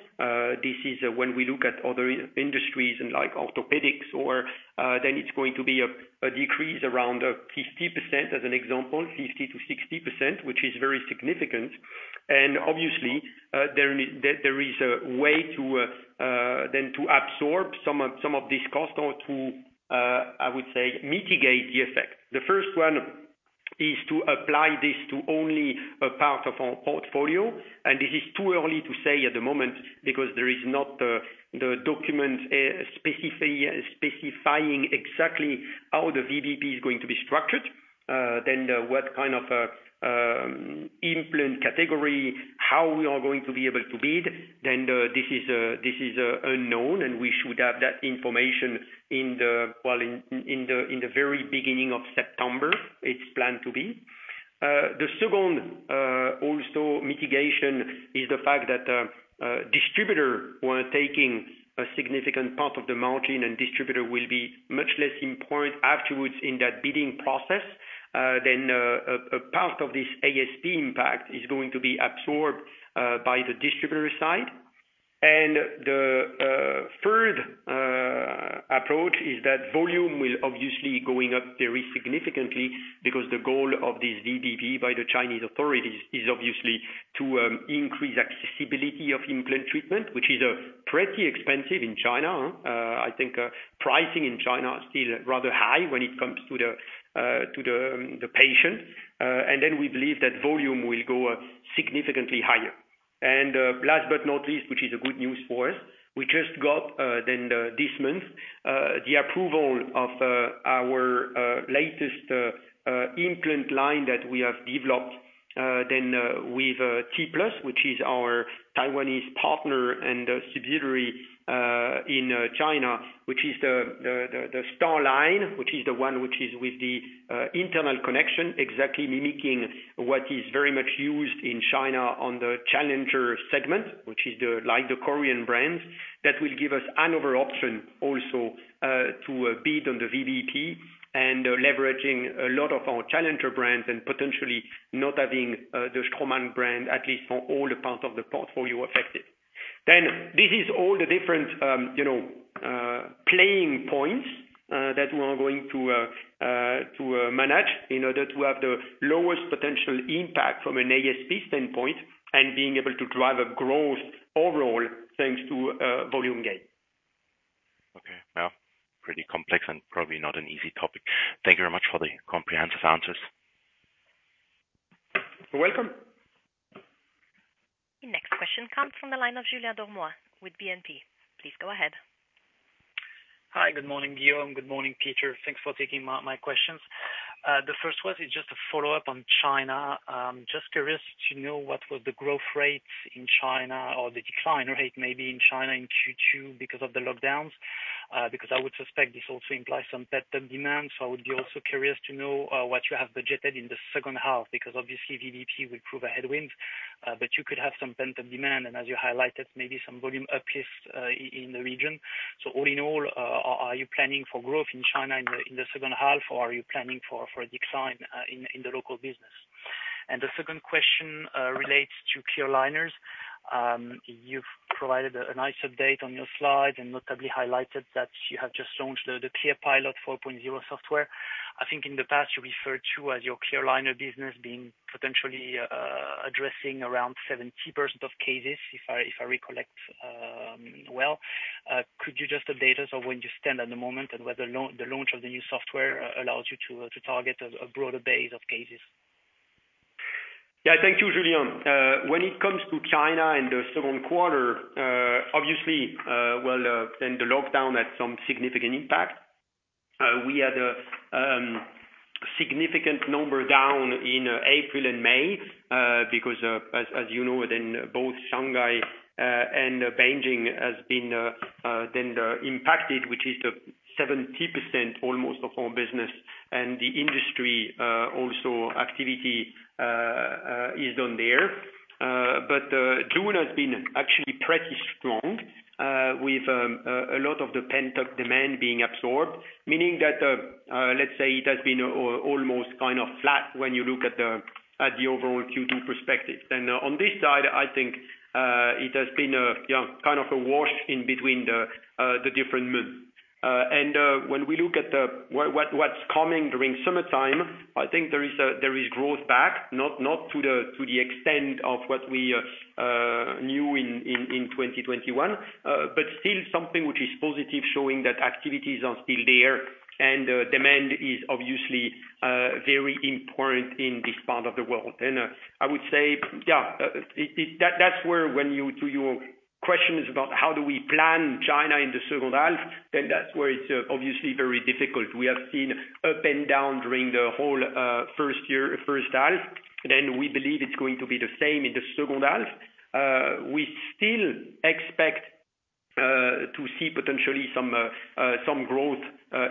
This is when we look at other industries and like orthopedics or then it's going to be a decrease around 50% as an example, 50%-60%, which is very significant. Obviously, there is a way to then absorb some of this cost or to, I would say, mitigate the effect. The first one is to apply this to only a part of our portfolio. This is too early to say at the moment because there is not the document specifying exactly how the VBP is going to be structured. What kind of implant category, how we are going to be able to bid, this is unknown, and we should have that information in the very beginning of September. It's planned to be. The second mitigation is the fact that distributors were taking a significant part of the margin and distributors will be much less important afterwards in that bidding process. A part of this ASP impact is going to be absorbed by the distributor side. The third approach is that volume will obviously going up very significantly because the goal of this VBP by the Chinese authorities is obviously to increase accessibility of implant treatment, which is pretty expensive in China. I think pricing in China is still rather high when it comes to the patient. Then we believe that volume will go up significantly higher. Last but not least, which is good news for us, we just got this month the approval of our latest implant line that we have developed with T-Plus, which is our Taiwanese partner and a subsidiary in China, which is the Star line, which is the one which is with the internal connection, exactly mimicking what is very much used in China on the challenger segment, which is like the Korean brands, that will give us another option also to bid on the VBP and leveraging a lot of our challenger brands and potentially not having the Straumann brand, at least on all the parts of the portfolio affected. This is all the different, you know, pain points that we are going to manage in order to have the lowest potential impact from an ASP standpoint and being able to drive a growth overall, thanks to volume gain. Okay. Well, pretty complex and probably not an easy topic. Thank you very much for the comprehensive answers. You're welcome. The next question comes from the line of Julien Dormois with BNP. Please go ahead. Hi, good morning, Guillaume. Good morning, Peter. Thanks for taking my questions. The first one is just a follow-up on China. Just curious to know what was the growth rate in China or the decline rate, maybe in China in Q2 because of the lockdowns, because I would suspect this also implies some better demand. I would be also curious to know what you have budgeted in the second half, because obviously VBP will prove a headwind. But you could have some pent-up demand, and as you highlighted, maybe some volume increase in the region. All in all, are you planning for growth in China in the second half, or are you planning for a decline in the local business? The second question relates to clear aligners. You've provided a nice update on your slide, and notably highlighted that you have just launched the ClearPilot 4.0 software. I think in the past you referred to your clear aligner business being potentially addressing around 70% of cases, if I recollect, well. Could you just update us on where you stand at the moment, and whether the launch of the new software allows you to target a broader base of cases? Yeah. Thank you, Julien. When it comes to China in the second quarter, obviously, the lockdown had some significant impact. We had a significant number down in April and May, because, as you know, both Shanghai and Beijing has been impacted, which is almost 70% of our business and the industry activity is on there. June has been actually pretty strong, with a lot of the pent-up demand being absorbed, meaning that, let's say it has been almost kind of flat when you look at the overall Q2 perspective. On this side, I think it has been kind of a wash in between the different months. When we look at what's coming during summertime, I think there is growth back, not to the extent of what we knew in 2021. But still something which is positive, showing that activities are still there and demand is obviously very important in this part of the world. I would say that's where, to your question about how we plan China in the second half, then that's where it's obviously very difficult. We have seen up and down during the whole first half, then we believe it's going to be the same in the second half. We still expect to see potentially some growth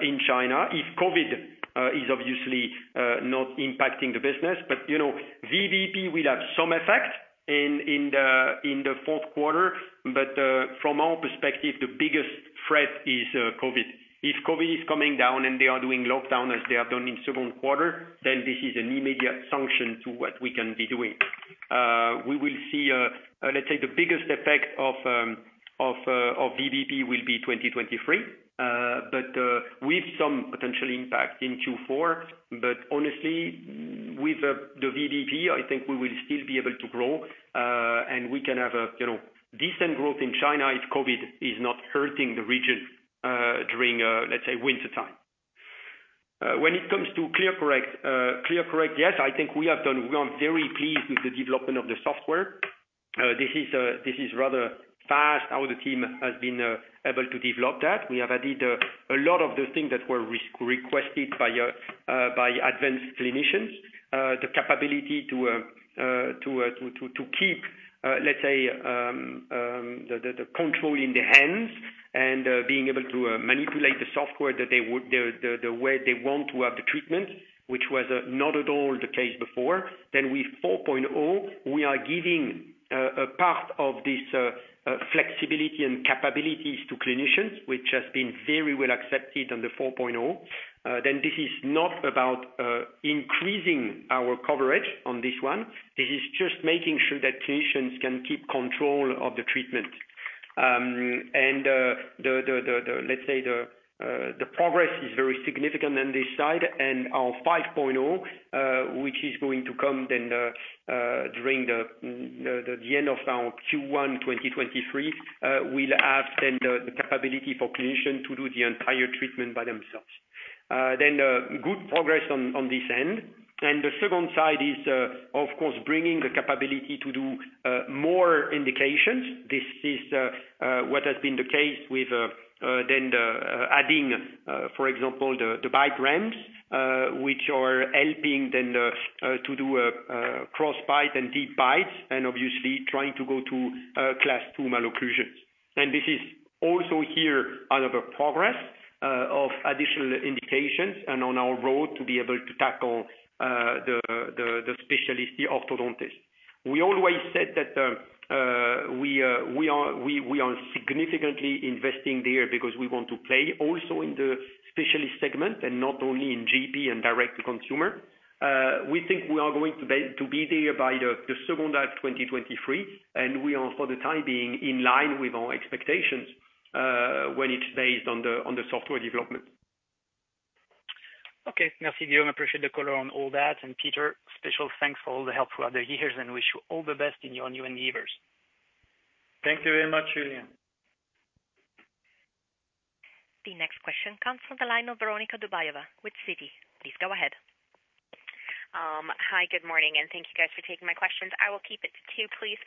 in China if COVID is obviously not impacting the business. You know, VBP will have some effect in the fourth quarter. From our perspective, the biggest threat is COVID. If COVID is coming down and they are doing lockdown as they have done in second quarter, then this is an immediate sanction to what we can be doing. We will see, let's say the biggest effect of VBP will be 2023, but with some potential impact in Q4. Honestly, with the VBP, I think we will still be able to grow and we can have a, you know, decent growth in China if COVID is not hurting the region during, let's say wintertime. When it comes to ClearCorrect, yes, I think we are very pleased with the development of the software. This is rather fast how the team has been able to develop that. We have added a lot of the things that were requested by advanced clinicians. The capability to keep, let's say, the control in their hands and being able to manipulate the software the way they want to have the treatment, which was not at all the case before. With 4.0, we are giving a part of this flexibility and capabilities to clinicians, which has been very well accepted on the 4.0. This is not about increasing our coverage on this one. This is just making sure that clinicians can keep control of the treatment. The progress is very significant on this side. Our 5.0, which is going to come during the end of our Q1 2023, will have the capability for clinician to do the entire treatment by themselves. Good progress on this end. The second side is, of course, bringing the capability to do more indications. This is what has been the case with the adding, for example, the bite ramps, which are helping to do cross bite and deep bites, and obviously trying to go to Class II malocclusions. This is also here another progress of additional indications and on our road to be able to tackle the specialist, the orthodontist. We always said that we are significantly investing there because we want to play also in the specialist segment and not only in GP and direct to consumer. We think we are going to be there by the second half 2023, and we are for the time being in line with our expectations when it's based on the software development. Okay. Merci, Guillaume. Appreciate the color on all that. Peter, special thanks for all the help through the years and wish you all the best in your new endeavors. Thank you very much, Julien. The next question comes from the line of Veronika Dubajova with Citi. Please go ahead. Hi, good morning, and thank you guys for taking my questions. I will keep it to two, please.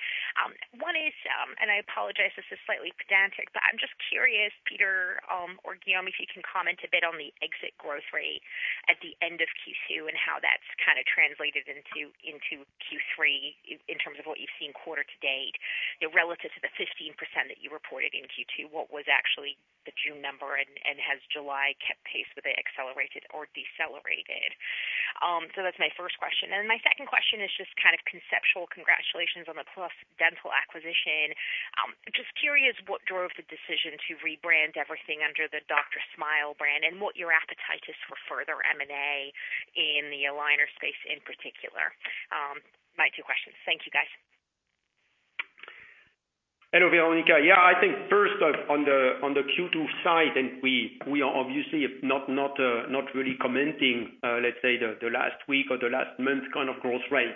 One is, and I apologize, this is slightly pedantic, but I'm just curious, Peter, or Guillaume, if you can comment a bit on the exit growth rate at the end of Q2 and how that's kind of translated into Q3 in terms of what you've seen quarter to date. You know, relative to the 15% that you reported in Q2, what was actually the June number and has July kept pace with it, accelerated or decelerated? That's my first question. My second question is just kind of conceptual. Congratulations on the PlusDental acquisition. Just curious what drove the decision to rebrand everything under the DrSmile brand and what your appetite is for further M&A in the aligner space in particular? My two questions. Thank you, guys. Hello, Veronika. Yeah, I think first on the Q2 side, we are obviously not really commenting, let's say the last week or the last month kind of growth rate.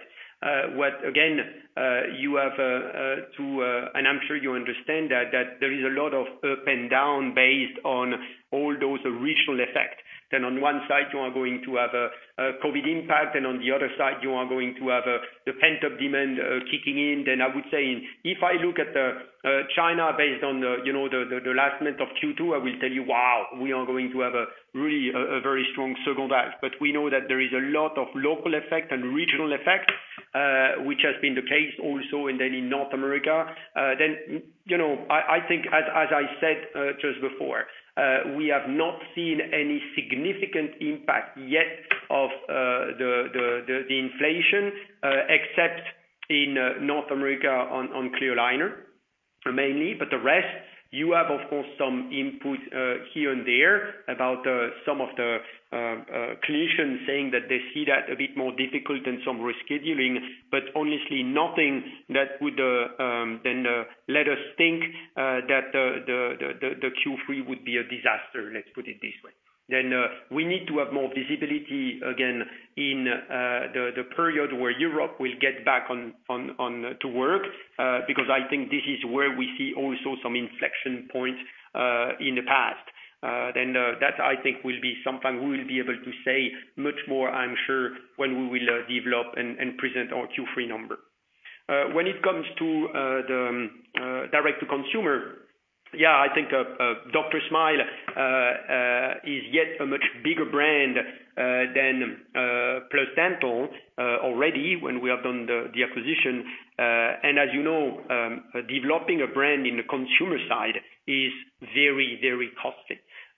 What you have to, and I'm sure you understand that there is a lot of up and down based on all those regional effect. On one side you are going to have a COVID impact, and on the other side you are going to have the pent-up demand kicking in. I would say if I look at China based on the, you know, the last month of Q2, I will tell you, wow, we are going to have a really, a very strong second half. We know that there is a lot of local effect and regional effect, which has been the case also, and then in North America. You know, I think as I said just before, we have not seen any significant impact yet of the inflation, except in North America on clear aligner mainly, but the rest you have, of course, some input here and there about some of the clinicians saying that they see that a bit more difficult and some rescheduling, but honestly nothing that would let us think that the Q3 would be a disaster, let's put it this way. We need to have more visibility again in the period where Europe will get back on to work, because I think this is where we see also some inflection points in the past. That I think will be something we will be able to say much more, I'm sure when we will develop and present our Q3 number. When it comes to the direct to consumer, yeah, I think DrSmile is yet a much bigger brand than PlusDental already when we have done the acquisition. As you know, developing a brand in the consumer side is very, very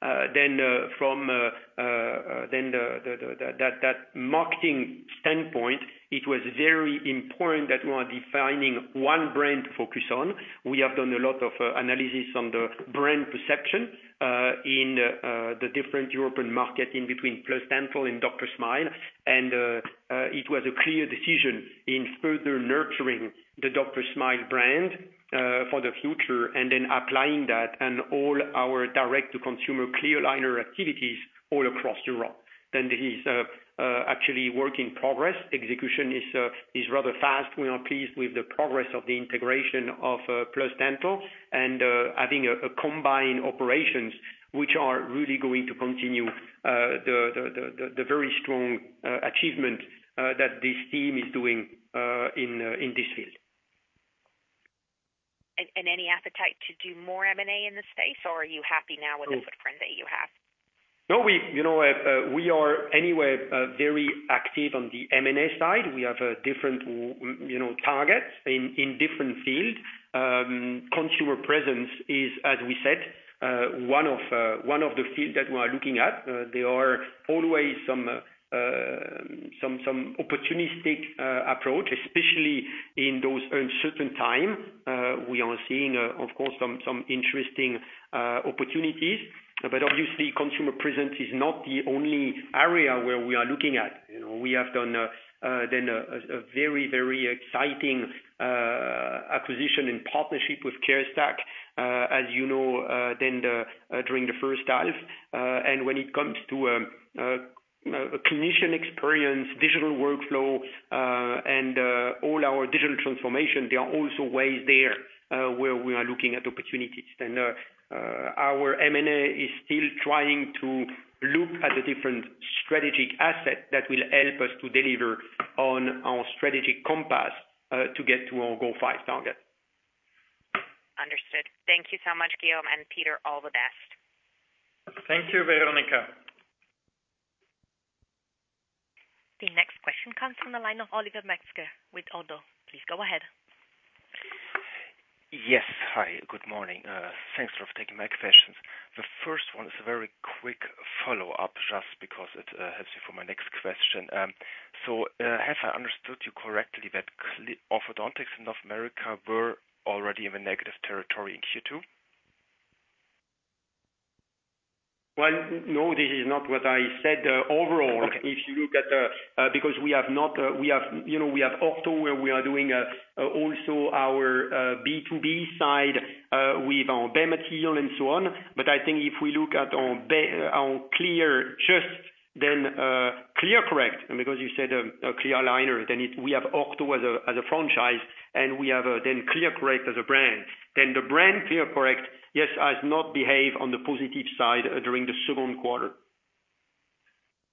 costly. From the marketing standpoint, it was very important that we are defining one brand to focus on. We have done a lot of analysis on the brand perception in the different European market in between PlusDental and DrSmile. It was a clear decision in further nurturing the DrSmile brand for the future and then applying that and all our direct to consumer clear aligner activities all across Europe. This actually work in progress. Execution is rather fast. We are pleased with the progress of the integration of PlusDental and adding a combined operations which are really going to continue the very strong achievement that this team is doing in this field. Any appetite to do more M&A in this space, or are you happy now with the footprint that you have? No, we, you know, are anyway very active on the M&A side. We have different, you know, targets in different field. Consumer presence is, as we said, one of the fields that we are looking at. There are always some opportunistic approach, especially in those uncertain time. We are seeing, of course, some interesting opportunities. Obviously consumer presence is not the only area where we are looking at. You know, we have done, then, a very exciting acquisition and partnership with CareStack, as you know, during the first half. When it comes to a clinician experience, digital workflow, and all our digital transformation, there are also ways there where we are looking at opportunities. Our M&A is still trying to look at the different strategic asset that will help us to deliver on our strategic compass to get to our Goal 5 target. Understood. Thank you so much, Guillaume and Peter. All the best. Thank you, Veronika. The next question comes from the line of Oliver Metzger with Oddo BHF. Please go ahead. Yes. Hi, good morning. Thanks for taking my questions. The first one is a very quick follow-up just because it helps me for my next question. Have I understood you correctly that orthodontics in North America were already in the negative territory in Q2? Well, no, this is not what I said. Overall, if you look at the Ortho where we are doing also our B2B side with our material and so on. I think if we look at our ClearCorrect, and because you said a clear aligner, then we have Ortho as a franchise, and we have then ClearCorrect as a brand. The brand ClearCorrect, yes, has not behaved on the positive side during the second quarter.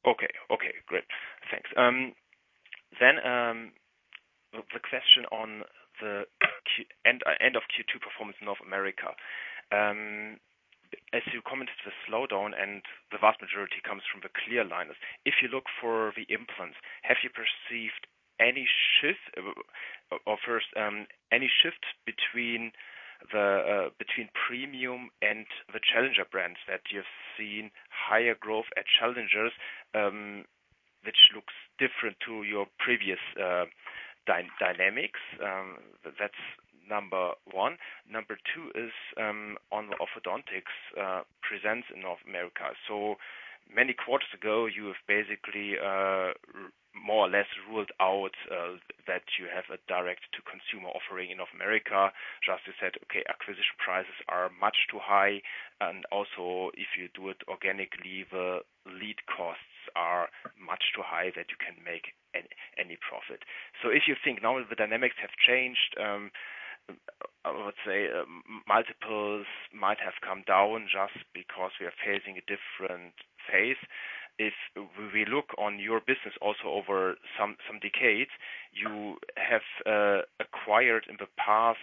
Okay. Okay, great. Thanks. The question on the end of Q2 performance in North America. As you commented, the slowdown and the vast majority comes from the clear aligners. If you look for the implants, have you perceived any shift? First, any shift between the, between premium and the challenger brands that you've seen higher growth at challengers, which looks different to your previous, dynamics, that's number one. Number two is, on orthodontics, presence in North America. Many quarters ago, you have basically, more or less ruled out, that you have a direct to consumer offering in North America. Just you said, okay, acquisition prices are much too high, and also if you do it organically, the lead costs are much too high that you can make any profit. If you think now the dynamics have changed, let's say multiples might have come down just because we are facing a different phase. If we look on your business also over some decades, you have acquired in the past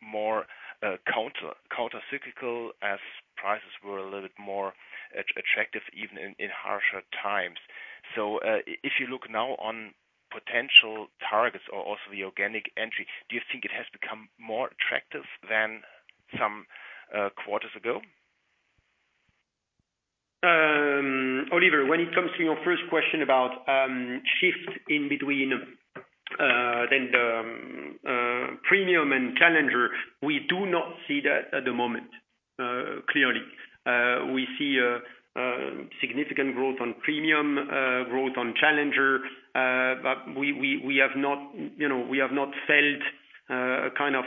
more countercyclical as prices were a little bit more attractive even in harsher times. If you look now on potential targets or also the organic entry, do you think it has become more attractive than some quarters ago? Oliver, when it comes to your first question about the shift between the premium and challenger, we do not see that at the moment clearly. We see significant growth in premium, growth in challenger. But we have not, you know, felt a kind of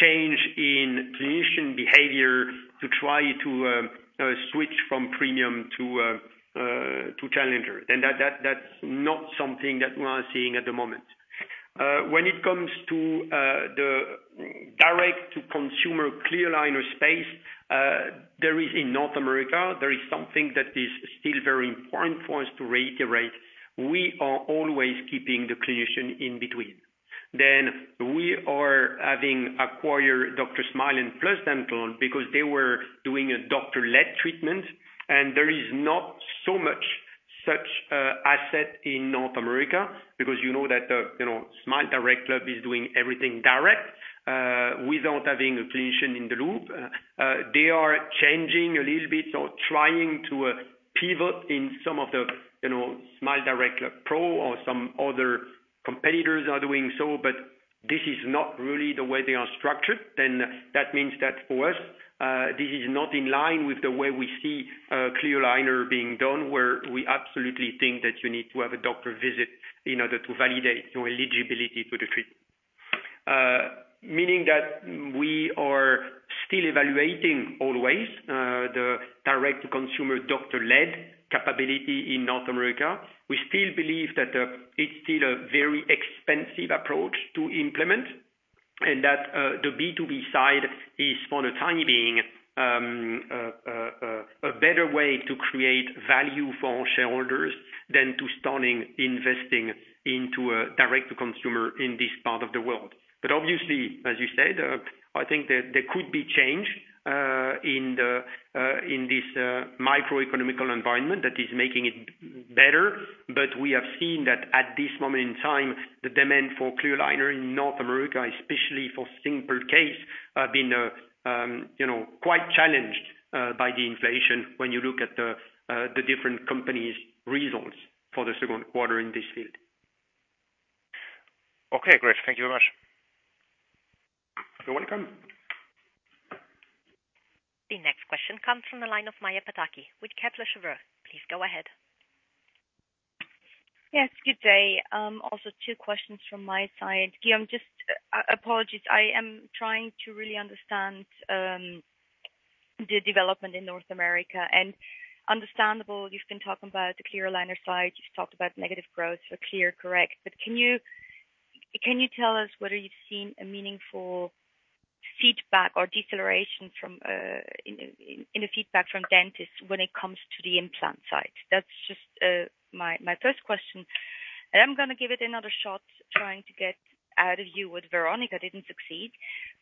change in clinician behavior to try to switch from premium to challenger. That's not something that we are seeing at the moment. When it comes to the direct to consumer clear aligner space, there is in North America something that is still very important for us to reiterate. We are always keeping the clinician in between. We are having acquired DrSmile and PlusDental because they were doing a doctor-led treatment, and there is not so much such asset in North America because you know that, you know, SmileDirectClub is doing everything direct without having a clinician in the loop. They are changing a little bit or trying to pivot in some of the, you know, SmileDirectClub Pro or some other competitors are doing so, but this is not really the way they are structured. That means that for us, this is not in line with the way we see a clear aligner being done, where we absolutely think that you need to have a doctor visit in order to validate your eligibility to the treatment. Meaning that we are still evaluating always the direct to consumer doctor-led capability in North America. We still believe that it's still a very expensive approach to implement and that the B2B side is, for the time being, a better way to create value for shareholders than starting investing into a direct-to-consumer in this part of the world. Obviously, as you said, I think that there could be change in this microeconomic environment that is making it better. We have seen that at this moment in time, the demand for clear aligner in North America, especially for simple case, have been, you know, quite challenged by the inflation when you look at the different companies' results for the second quarter in this field. Okay, great. Thank you very much. You're welcome. The next question comes from the line of Maja Pataki with Kepler Cheuvreux. Please go ahead. Yes, good day. Also two questions from my side. Guillaume, just apologies, I am trying to really understand the development in North America. Understandable, you've been talking about the clear aligner side. You've talked about negative growth, so ClearCorrect. But can you tell us whether you've seen a meaningful feedback or deceleration from the feedback from dentists when it comes to the implant side? That's just my first question. I'm gonna give it another shot, trying to get out of you what Veronika, I didn't succeed.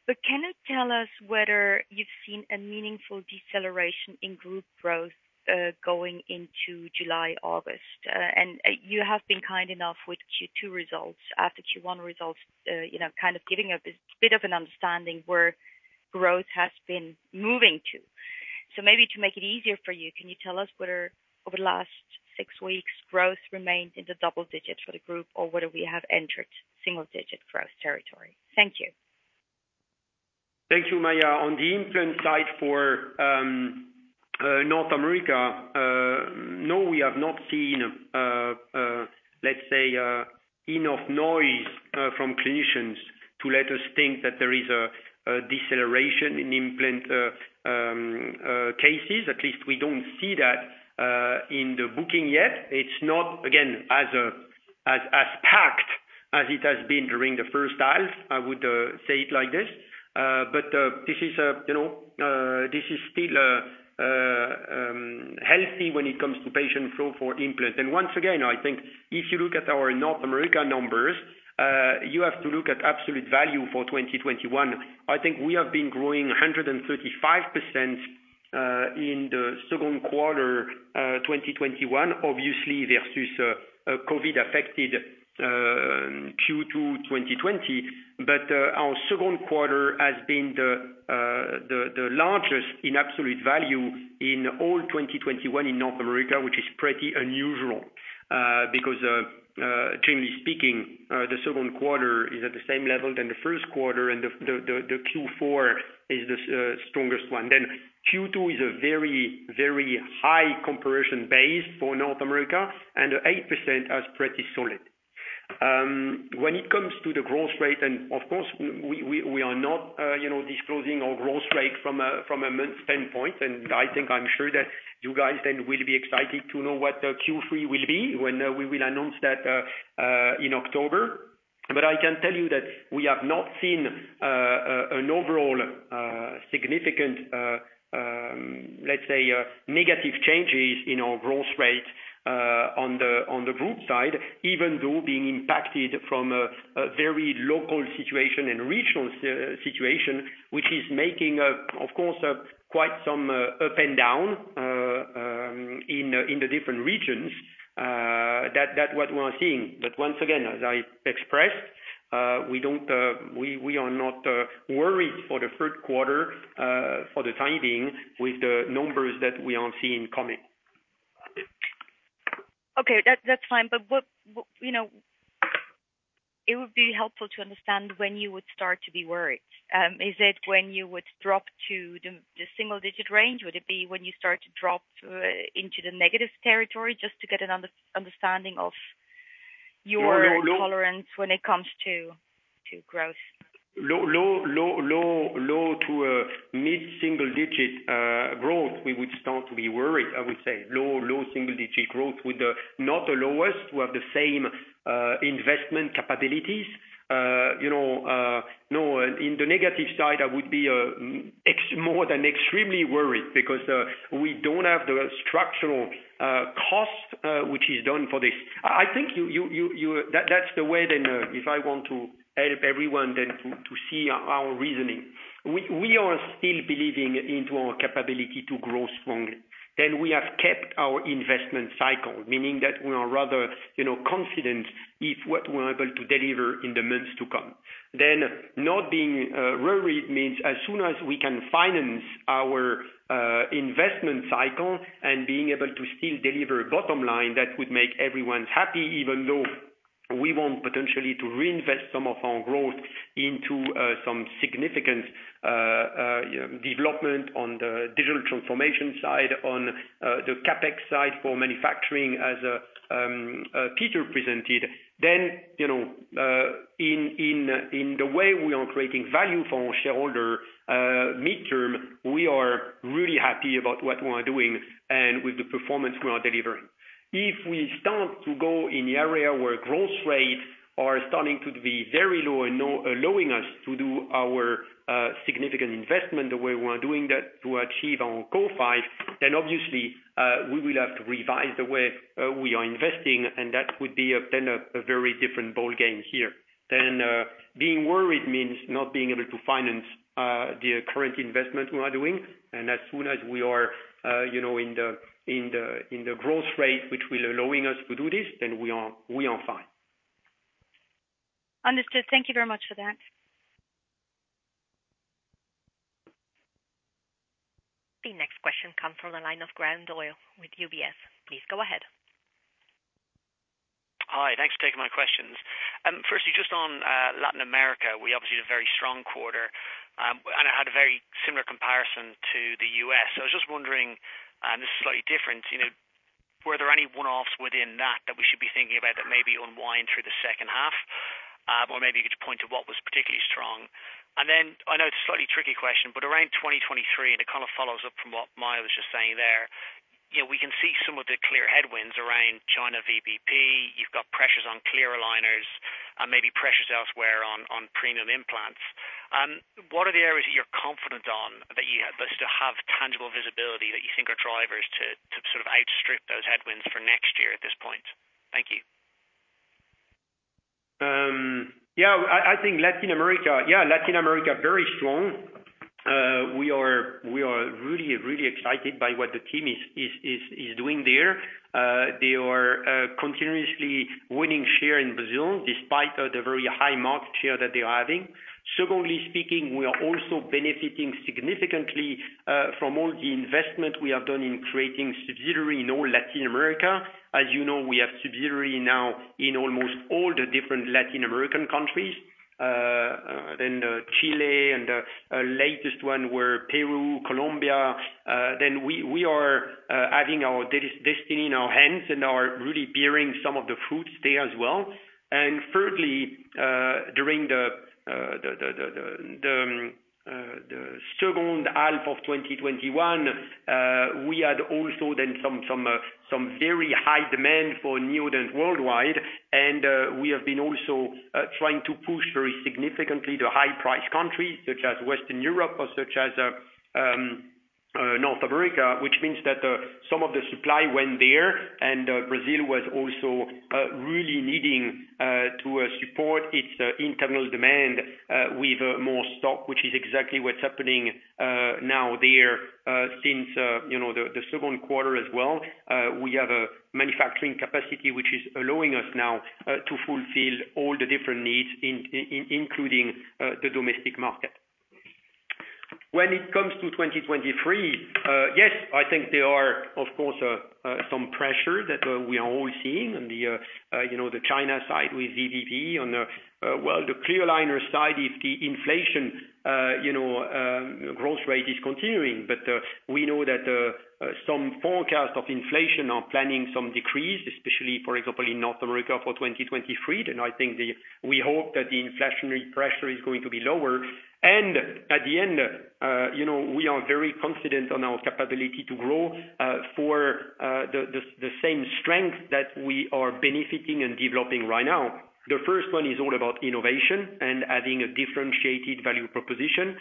But can you tell us whether you've seen a meaningful deceleration in group growth going into July, August? You have been kind enough with Q2 results after Q1 results, you know, kind of giving a bit of an understanding where growth has been moving to. Maybe to make it easier for you, can you tell us whether over the last six weeks, growth remained in the double digits for the group or whether we have entered single digit growth territory? Thank you. Thank you, Maja. On the implant side for North America, no, we have not seen, let's say, from clinicians to let us think that there is a deceleration in implant cases. At least we don't see that in the booking yet. It's not, again, as packed as it has been during the first half, I would say it like this. But this is, you know, this is still healthy when it comes to patient flow for implant. Once again, I think if you look at our North America numbers, you have to look at absolute value for 2021. I think we have been growing 135% in the second quarter 2021, obviously versus COVID affected Q2 2020, but our second quarter has been the largest in absolute value in all 2021 in North America, which is pretty unusual, because generally speaking, the second quarter is at the same level than the first quarter and the Q4 is the strongest one. Q2 is a very high comparison base for North America and 8% is pretty solid. When it comes to the growth rate, of course we are not disclosing our growth rate from a month standpoint, and I think I'm sure that you guys then will be excited to know what Q3 will be when we will announce that in October. I can tell you that we have not seen an overall significant, let's say, negative changes in our growth rate on the group side, even though being impacted from a very local situation and regional situation, which is making, of course, a quite some up and down in the different regions that what we are seeing. Once again, as I expressed, we are not worried for the third quarter, for the time being with the numbers that we are seeing coming. Okay. That's fine. What, you know, it would be helpful to understand when you would start to be worried. Is it when you would drop to the single digit range? Would it be when you start to drop into the negative territory just to get an understanding of your tolerance when it comes to growth? Low to mid-single digit growth, we would start to be worried, I would say. Low single digit growth with the, not the lowest, we have the same investment capabilities. You know, no, in the negative side, I would be more than extremely worried because we don't have the structural cost which is done for this. I think you. That's the way then if I want to help everyone then to see our reasoning. We are still believing into our capability to grow strongly. We have kept our investment cycle, meaning that we are rather, you know, confident if what we're able to deliver in the months to come. Not being worried means as soon as we can finance our investment cycle and being able to still deliver bottom line, that would make everyone happy, even though we want potentially to reinvest some of our growth into some significant development on the digital transformation side, on the CapEx side for manufacturing as Peter presented. You know, in the way we are creating value for our shareholder, midterm, we are really happy about what we are doing and with the performance we are delivering. If we start to go in the area where growth rates are starting to be very low and not allowing us to do our significant investment, the way we are doing that to achieve our Goal 5, then obviously we will have to revise the way we are investing and that would be a very different ballgame here. Being worried means not being able to finance the current investment we are doing. As soon as we are, you know, in the growth rate which will allow us to do this, then we are fine. Understood. Thank you very much for that. The next question comes from the line of Graham Doyle with UBS. Please go ahead. Hi. Thanks for taking my questions. Firstly, just on Latin America, we obviously had a very strong quarter and had a very similar comparison to the U.S. I was just wondering, and this is slightly different, you know, were there any one-offs within that that we should be thinking about that maybe unwind through the second half? Or maybe you could point to what was particularly strong. Then I know it's a slightly tricky question, but around 2023, and it kind of follows up from what Maja was just saying there, you know, we can see some of the clear headwinds around China VBP. You've got pressures on clear aligners and maybe pressures elsewhere on premium implants. What are the areas that you're confident on that still have tangible visibility that you think are drivers to sort of outstrip those headwinds for next year at this point? Thank you. I think Latin America very strong. We are really excited by what the team is doing there. They are continuously winning share in Brazil despite the very high market share that they are having. Second, speaking, we are also benefiting significantly from all the investment we have done in creating subsidiary in all Latin America. As you know, we have subsidiary now in almost all the different Latin American countries. Chile and latest one were Peru, Colombia. We are having our destiny in our hands and are really bearing some of the fruits there as well. Thirdly, during the second half of 2021, we had also then some very high demand for Neodent worldwide. We have been also trying to push very significantly to high price countries such as Western Europe or such as North America, which means that some of the supply went there and Brazil was also really needing to support its internal demand with more stock, which is exactly what's happening now there since you know the second quarter as well. We have a manufacturing capacity which is allowing us now to fulfill all the different needs including the domestic market. When it comes to 2023, yes, I think there are, of course, some pressure that we are all seeing on the, you know, the China side with VBP. On the clear aligner side, well, the inflation, you know, growth rate is continuing. We know that some forecasts of inflation are planning some decrease, especially for example, in North America for 2023. I think we hope that the inflationary pressure is going to be lower. At the end, you know, we are very confident on our capability to grow for the same strength that we are benefiting and developing right now. The first one is all about innovation and adding a differentiated value proposition.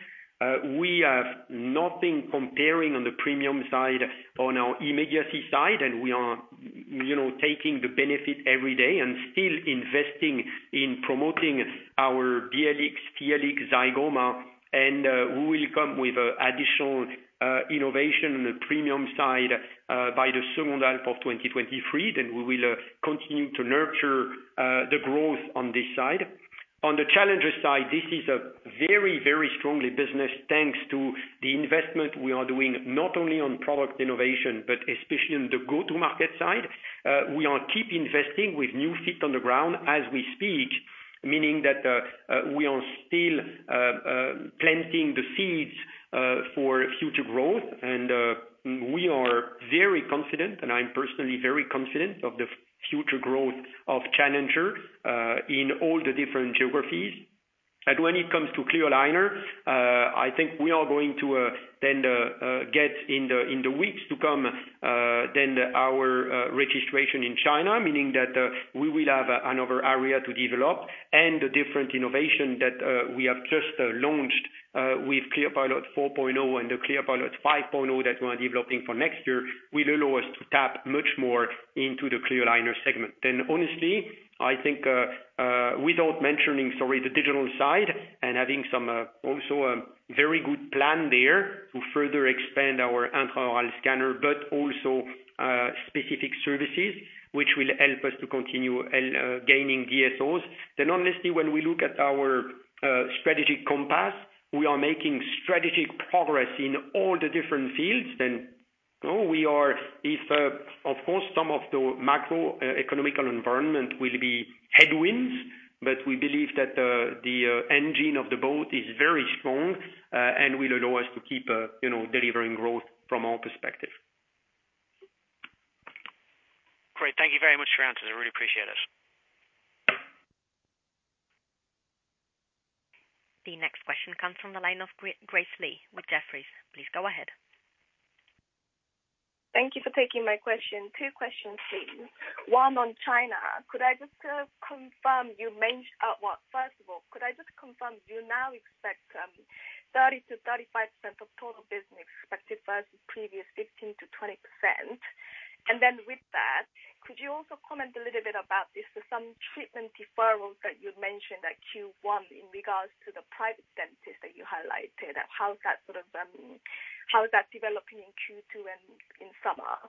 We have nothing comparable on the premium side, on our immediacy side, and we are, you know, taking the benefit every day and still investing in promoting our BLX, TLX, Zygoma. We will come with an additional innovation on the premium side by the second half of 2023. We will continue to nurture the growth on this side. On the challenger side, this is a very, very strong business, thanks to the investment we are doing, not only on product innovation, but especially in the go-to-market side. We keep investing with new feet on the ground as we speak, meaning that we are still planting the seeds for future growth. We are very confident, and I'm personally very confident of the future growth of challenger in all the different geographies. When it comes to clear aligner, I think we are going to get in the weeks to come our registration in China, meaning that we will have another area to develop and the different innovation that we have just launched with ClearPilot 4.0 and the ClearPilot 5.0 that we are developing for next year, will allow us to tap much more into the clear aligner segment. Honestly, I think, without mentioning, sorry, the digital side and having some, also, very good plan there to further expand our intraoral scanner, but also, specific services which will help us to continue gaining DSOs. Honestly, when we look at our strategic compass, we are making strategic progress in all the different fields. Of course, some of the macroeconomic environment will be headwinds, but we believe that the engine of the boat is very strong and will allow us to keep you know delivering growth from our perspective. Great. Thank you very much for your answers. I really appreciate it. The next question comes from the line of Grace Lee with Jefferies. Please go ahead. Thank you for taking my question. Two questions, please. One on China. Could I just confirm, well, first of all, could I just confirm, do you now expect 30%-35% of total business expected versus previous 15%-20%? And then with that, could you also comment a little bit about this some treatment deferrals that you'd mentioned at Q1 in regards to the private dentists that you highlighted? How's that sort of, how is that developing in Q2 and in summer?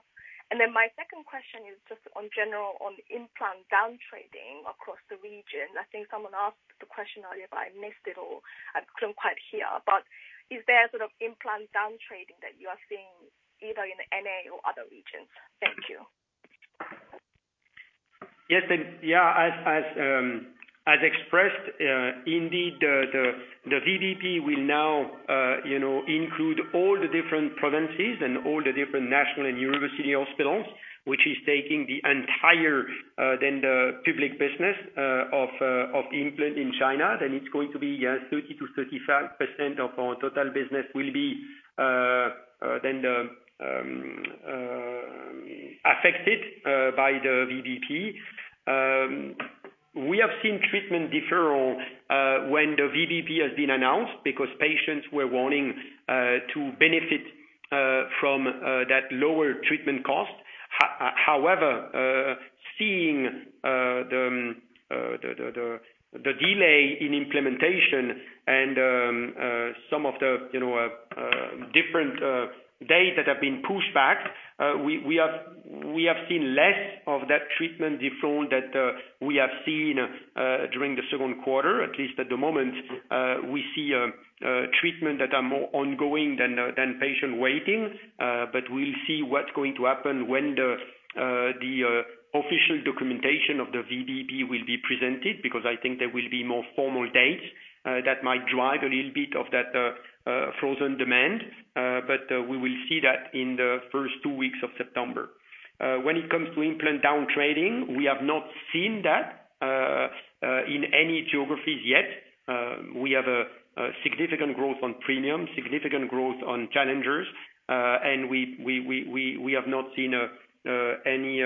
And then my second question is just on general on implant down trading across the region. I think someone asked the question earlier, but I missed it or I couldn't quite hear. But is there sort of implant down trading that you are seeing either in NA or other regions? Thank you. Yes. Yeah, as expressed, indeed, the VBP will now, you know, include all the different provinces and all the different national and university hospitals, which is taking the entire public business of implant in China. It's going to be, yeah, 30%-35% of our total business will be affected by the VBP. We have seen treatment deferral when the VBP has been announced because patients were wanting to benefit from that lower treatment cost. However, seeing the delay in implementation and some of the, you know, different dates that have been pushed back, we have seen less of that treatment deferral that we have seen during the second quarter, at least at the moment. We see treatment that are more ongoing than patient waiting. We'll see what's going to happen when the official documentation of the VBP will be presented because I think there will be more formal dates that might drive a little bit of that frozen demand. We will see that in the first two weeks of September. When it comes to implant down trading, we have not seen that in any geographies yet. We have a significant growth on premium, significant growth on challengers, and we have not seen any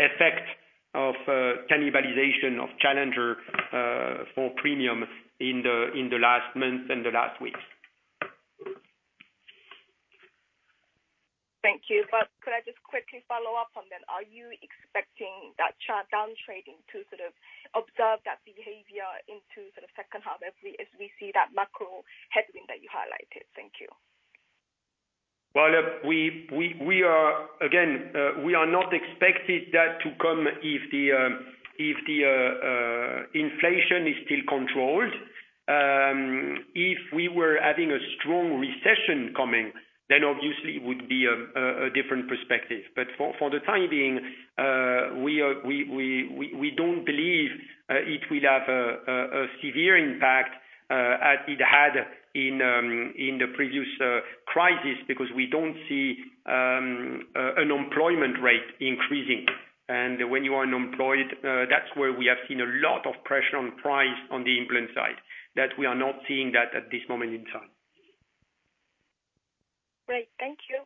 effect of cannibalization of challenger for premium in the last month and the last weeks. Thank you. Could I just quickly follow up on that, are you expecting that chart down trading to sort of observe that behavior into sort of second half however, as we see that macro headwind that you highlighted? Thank you. Well, we are again not expecting that to come if the inflation is still controlled. If we were having a strong recession coming, then obviously it would be a different perspective. For the time being, we don't believe it will have a severe impact as it had in the previous crisis because we don't see an unemployment rate increasing. When you are unemployed, that's where we have seen a lot of pressure on pricing on the implant side that we are not seeing at this moment in time. Great. Thank you.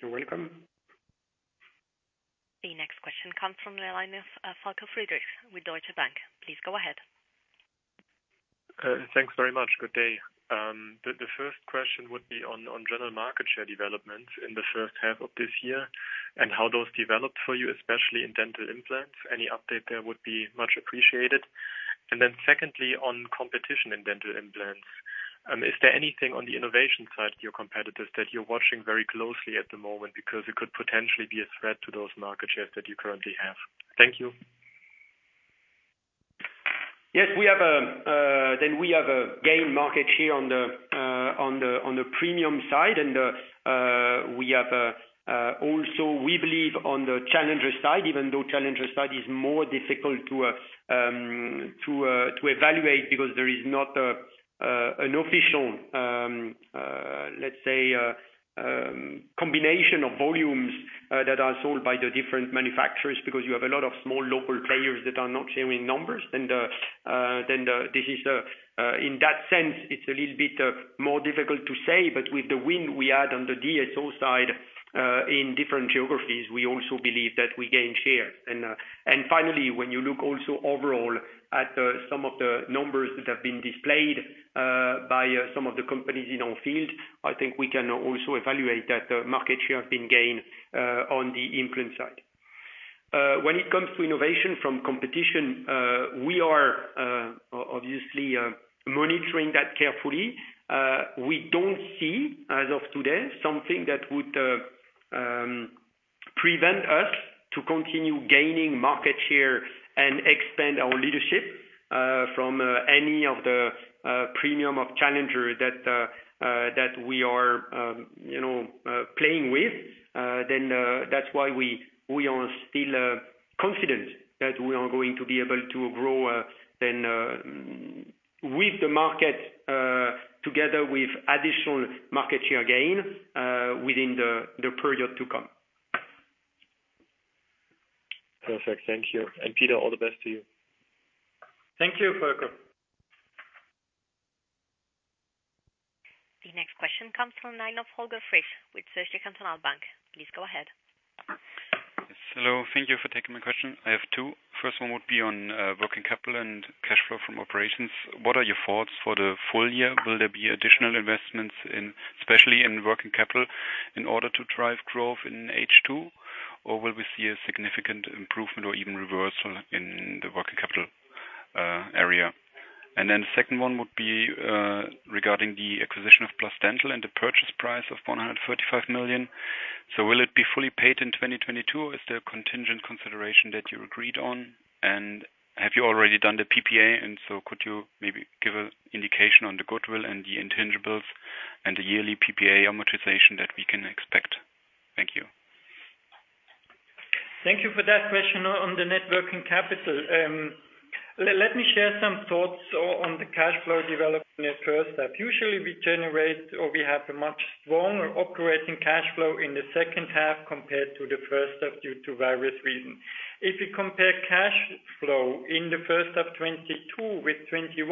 You're welcome. The next question comes from the line of Falko Friedrichs with Deutsche Bank. Please go ahead. Thanks very much. Good day. The first question would be on general market share developments in the first half of this year and how those developed for you, especially in dental implants. Any update there would be much appreciated. Then secondly, on competition in dental implants, is there anything on the innovation side with your competitors that you're watching very closely at the moment because it could potentially be a threat to those market shares that you currently have? Thank you. Yes, we gained market share on the premium side. We also believe on the challenger side, even though challenger side is more difficult to evaluate because there is not an official, let's say, combination of volumes that are sold by the different manufacturers because you have a lot of small local players that are not sharing numbers. This is, in that sense, a little bit more difficult to say, but with the win we had on the DSO side in different geographies, we also believe that we gain share. Finally, when you look also overall at, some of the numbers that have been displayed, by, some of the companies in our field, I think we can also evaluate that, market share have been gained, on the implant side. When it comes to innovation from competition, we are, obviously, monitoring that carefully. We don't see, as of today, something that would, prevent us to continue gaining market share and extend our leadership, from, any of the, premium or challenger that we are, you know, playing with. That's why we are still, confident that we are going to be able to grow, then, with the market, together with additional market share gain, within the period to come. Perfect. Thank you. Peter, all the best to you. Thank you, Falko. The next question comes from the line of Holger Frisch with Zürcher Kantonalbank. Please go ahead. Hello. Thank you for taking my question. I have two. First one would be on working capital and cash flow from operations. What are your thoughts for the full year? Will there be additional investments in, especially in working capital in order to drive growth in H2? Or will we see a significant improvement or even reversal in the working capital area? The second one would be regarding the acquisition of PlusDental and the purchase price of 135 million. Will it be fully paid in 2022? Is there a contingent consideration that you agreed on? Have you already done the PPA? Could you maybe give an indication on the goodwill and the intangibles and the yearly PPA amortization that we can expect? Thank you. Thank you for that question on the net working capital. Let me share some thoughts on the cash flow development in the first half. Usually, we generate or we have a much stronger operating cash flow in the second half compared to the first half due to various reasons. If we compare cash flow in the first half 2022 with 2021,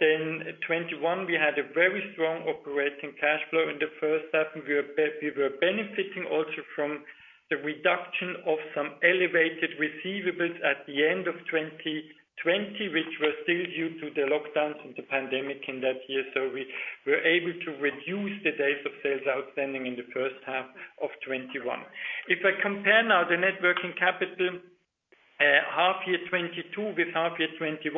then 2021 we had a very strong operating cash flow in the first half, and we were benefiting also from the reduction of some elevated receivables at the end of 2020, which were still due to the lockdowns and the pandemic in that year. We were able to reduce the days of sales outstanding in the first half of 2021. If I compare now the net working capital, half year 2022 with half year 2021,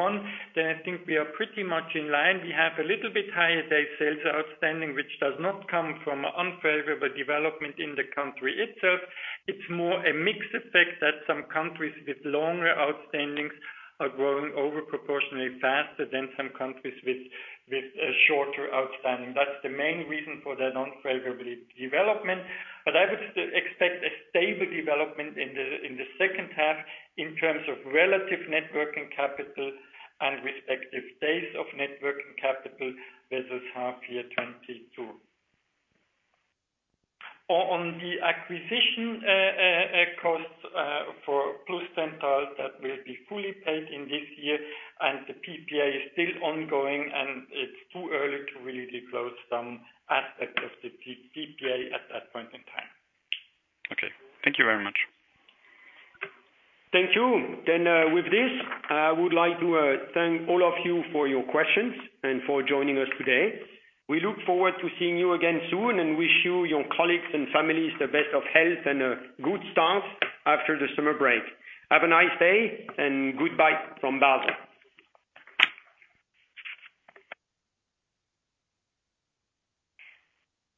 then I think we are pretty much in line. We have a little bit higher day sales outstanding, which does not come from unfavorable development in the country itself. It's more a mix effect that some countries with longer outstandings are growing over proportionally faster than some countries with a shorter outstanding. That's the main reason for that unfavorable development. I would still expect a stable development in the second half in terms of relative net working capital and respective days of net working capital versus half year 2022. On the acquisition costs for PlusDental, that will be fully paid this year and the PPA is still ongoing, and it's too early to really disclose some aspect of the PPA at that point in time. Okay. Thank you very much. Thank you. With this, I would like to thank all of you for your questions and for joining us today. We look forward to seeing you again soon and wish you, your colleagues and families, the best of health and a good start after the summer break. Have a nice day and goodbye from Basel.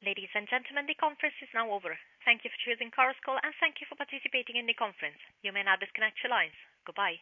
Ladies and gentlemen, the conference is now over. Thank you for choosing Chorus Call, and thank you for participating in the conference. You may now disconnect your lines. Goodbye.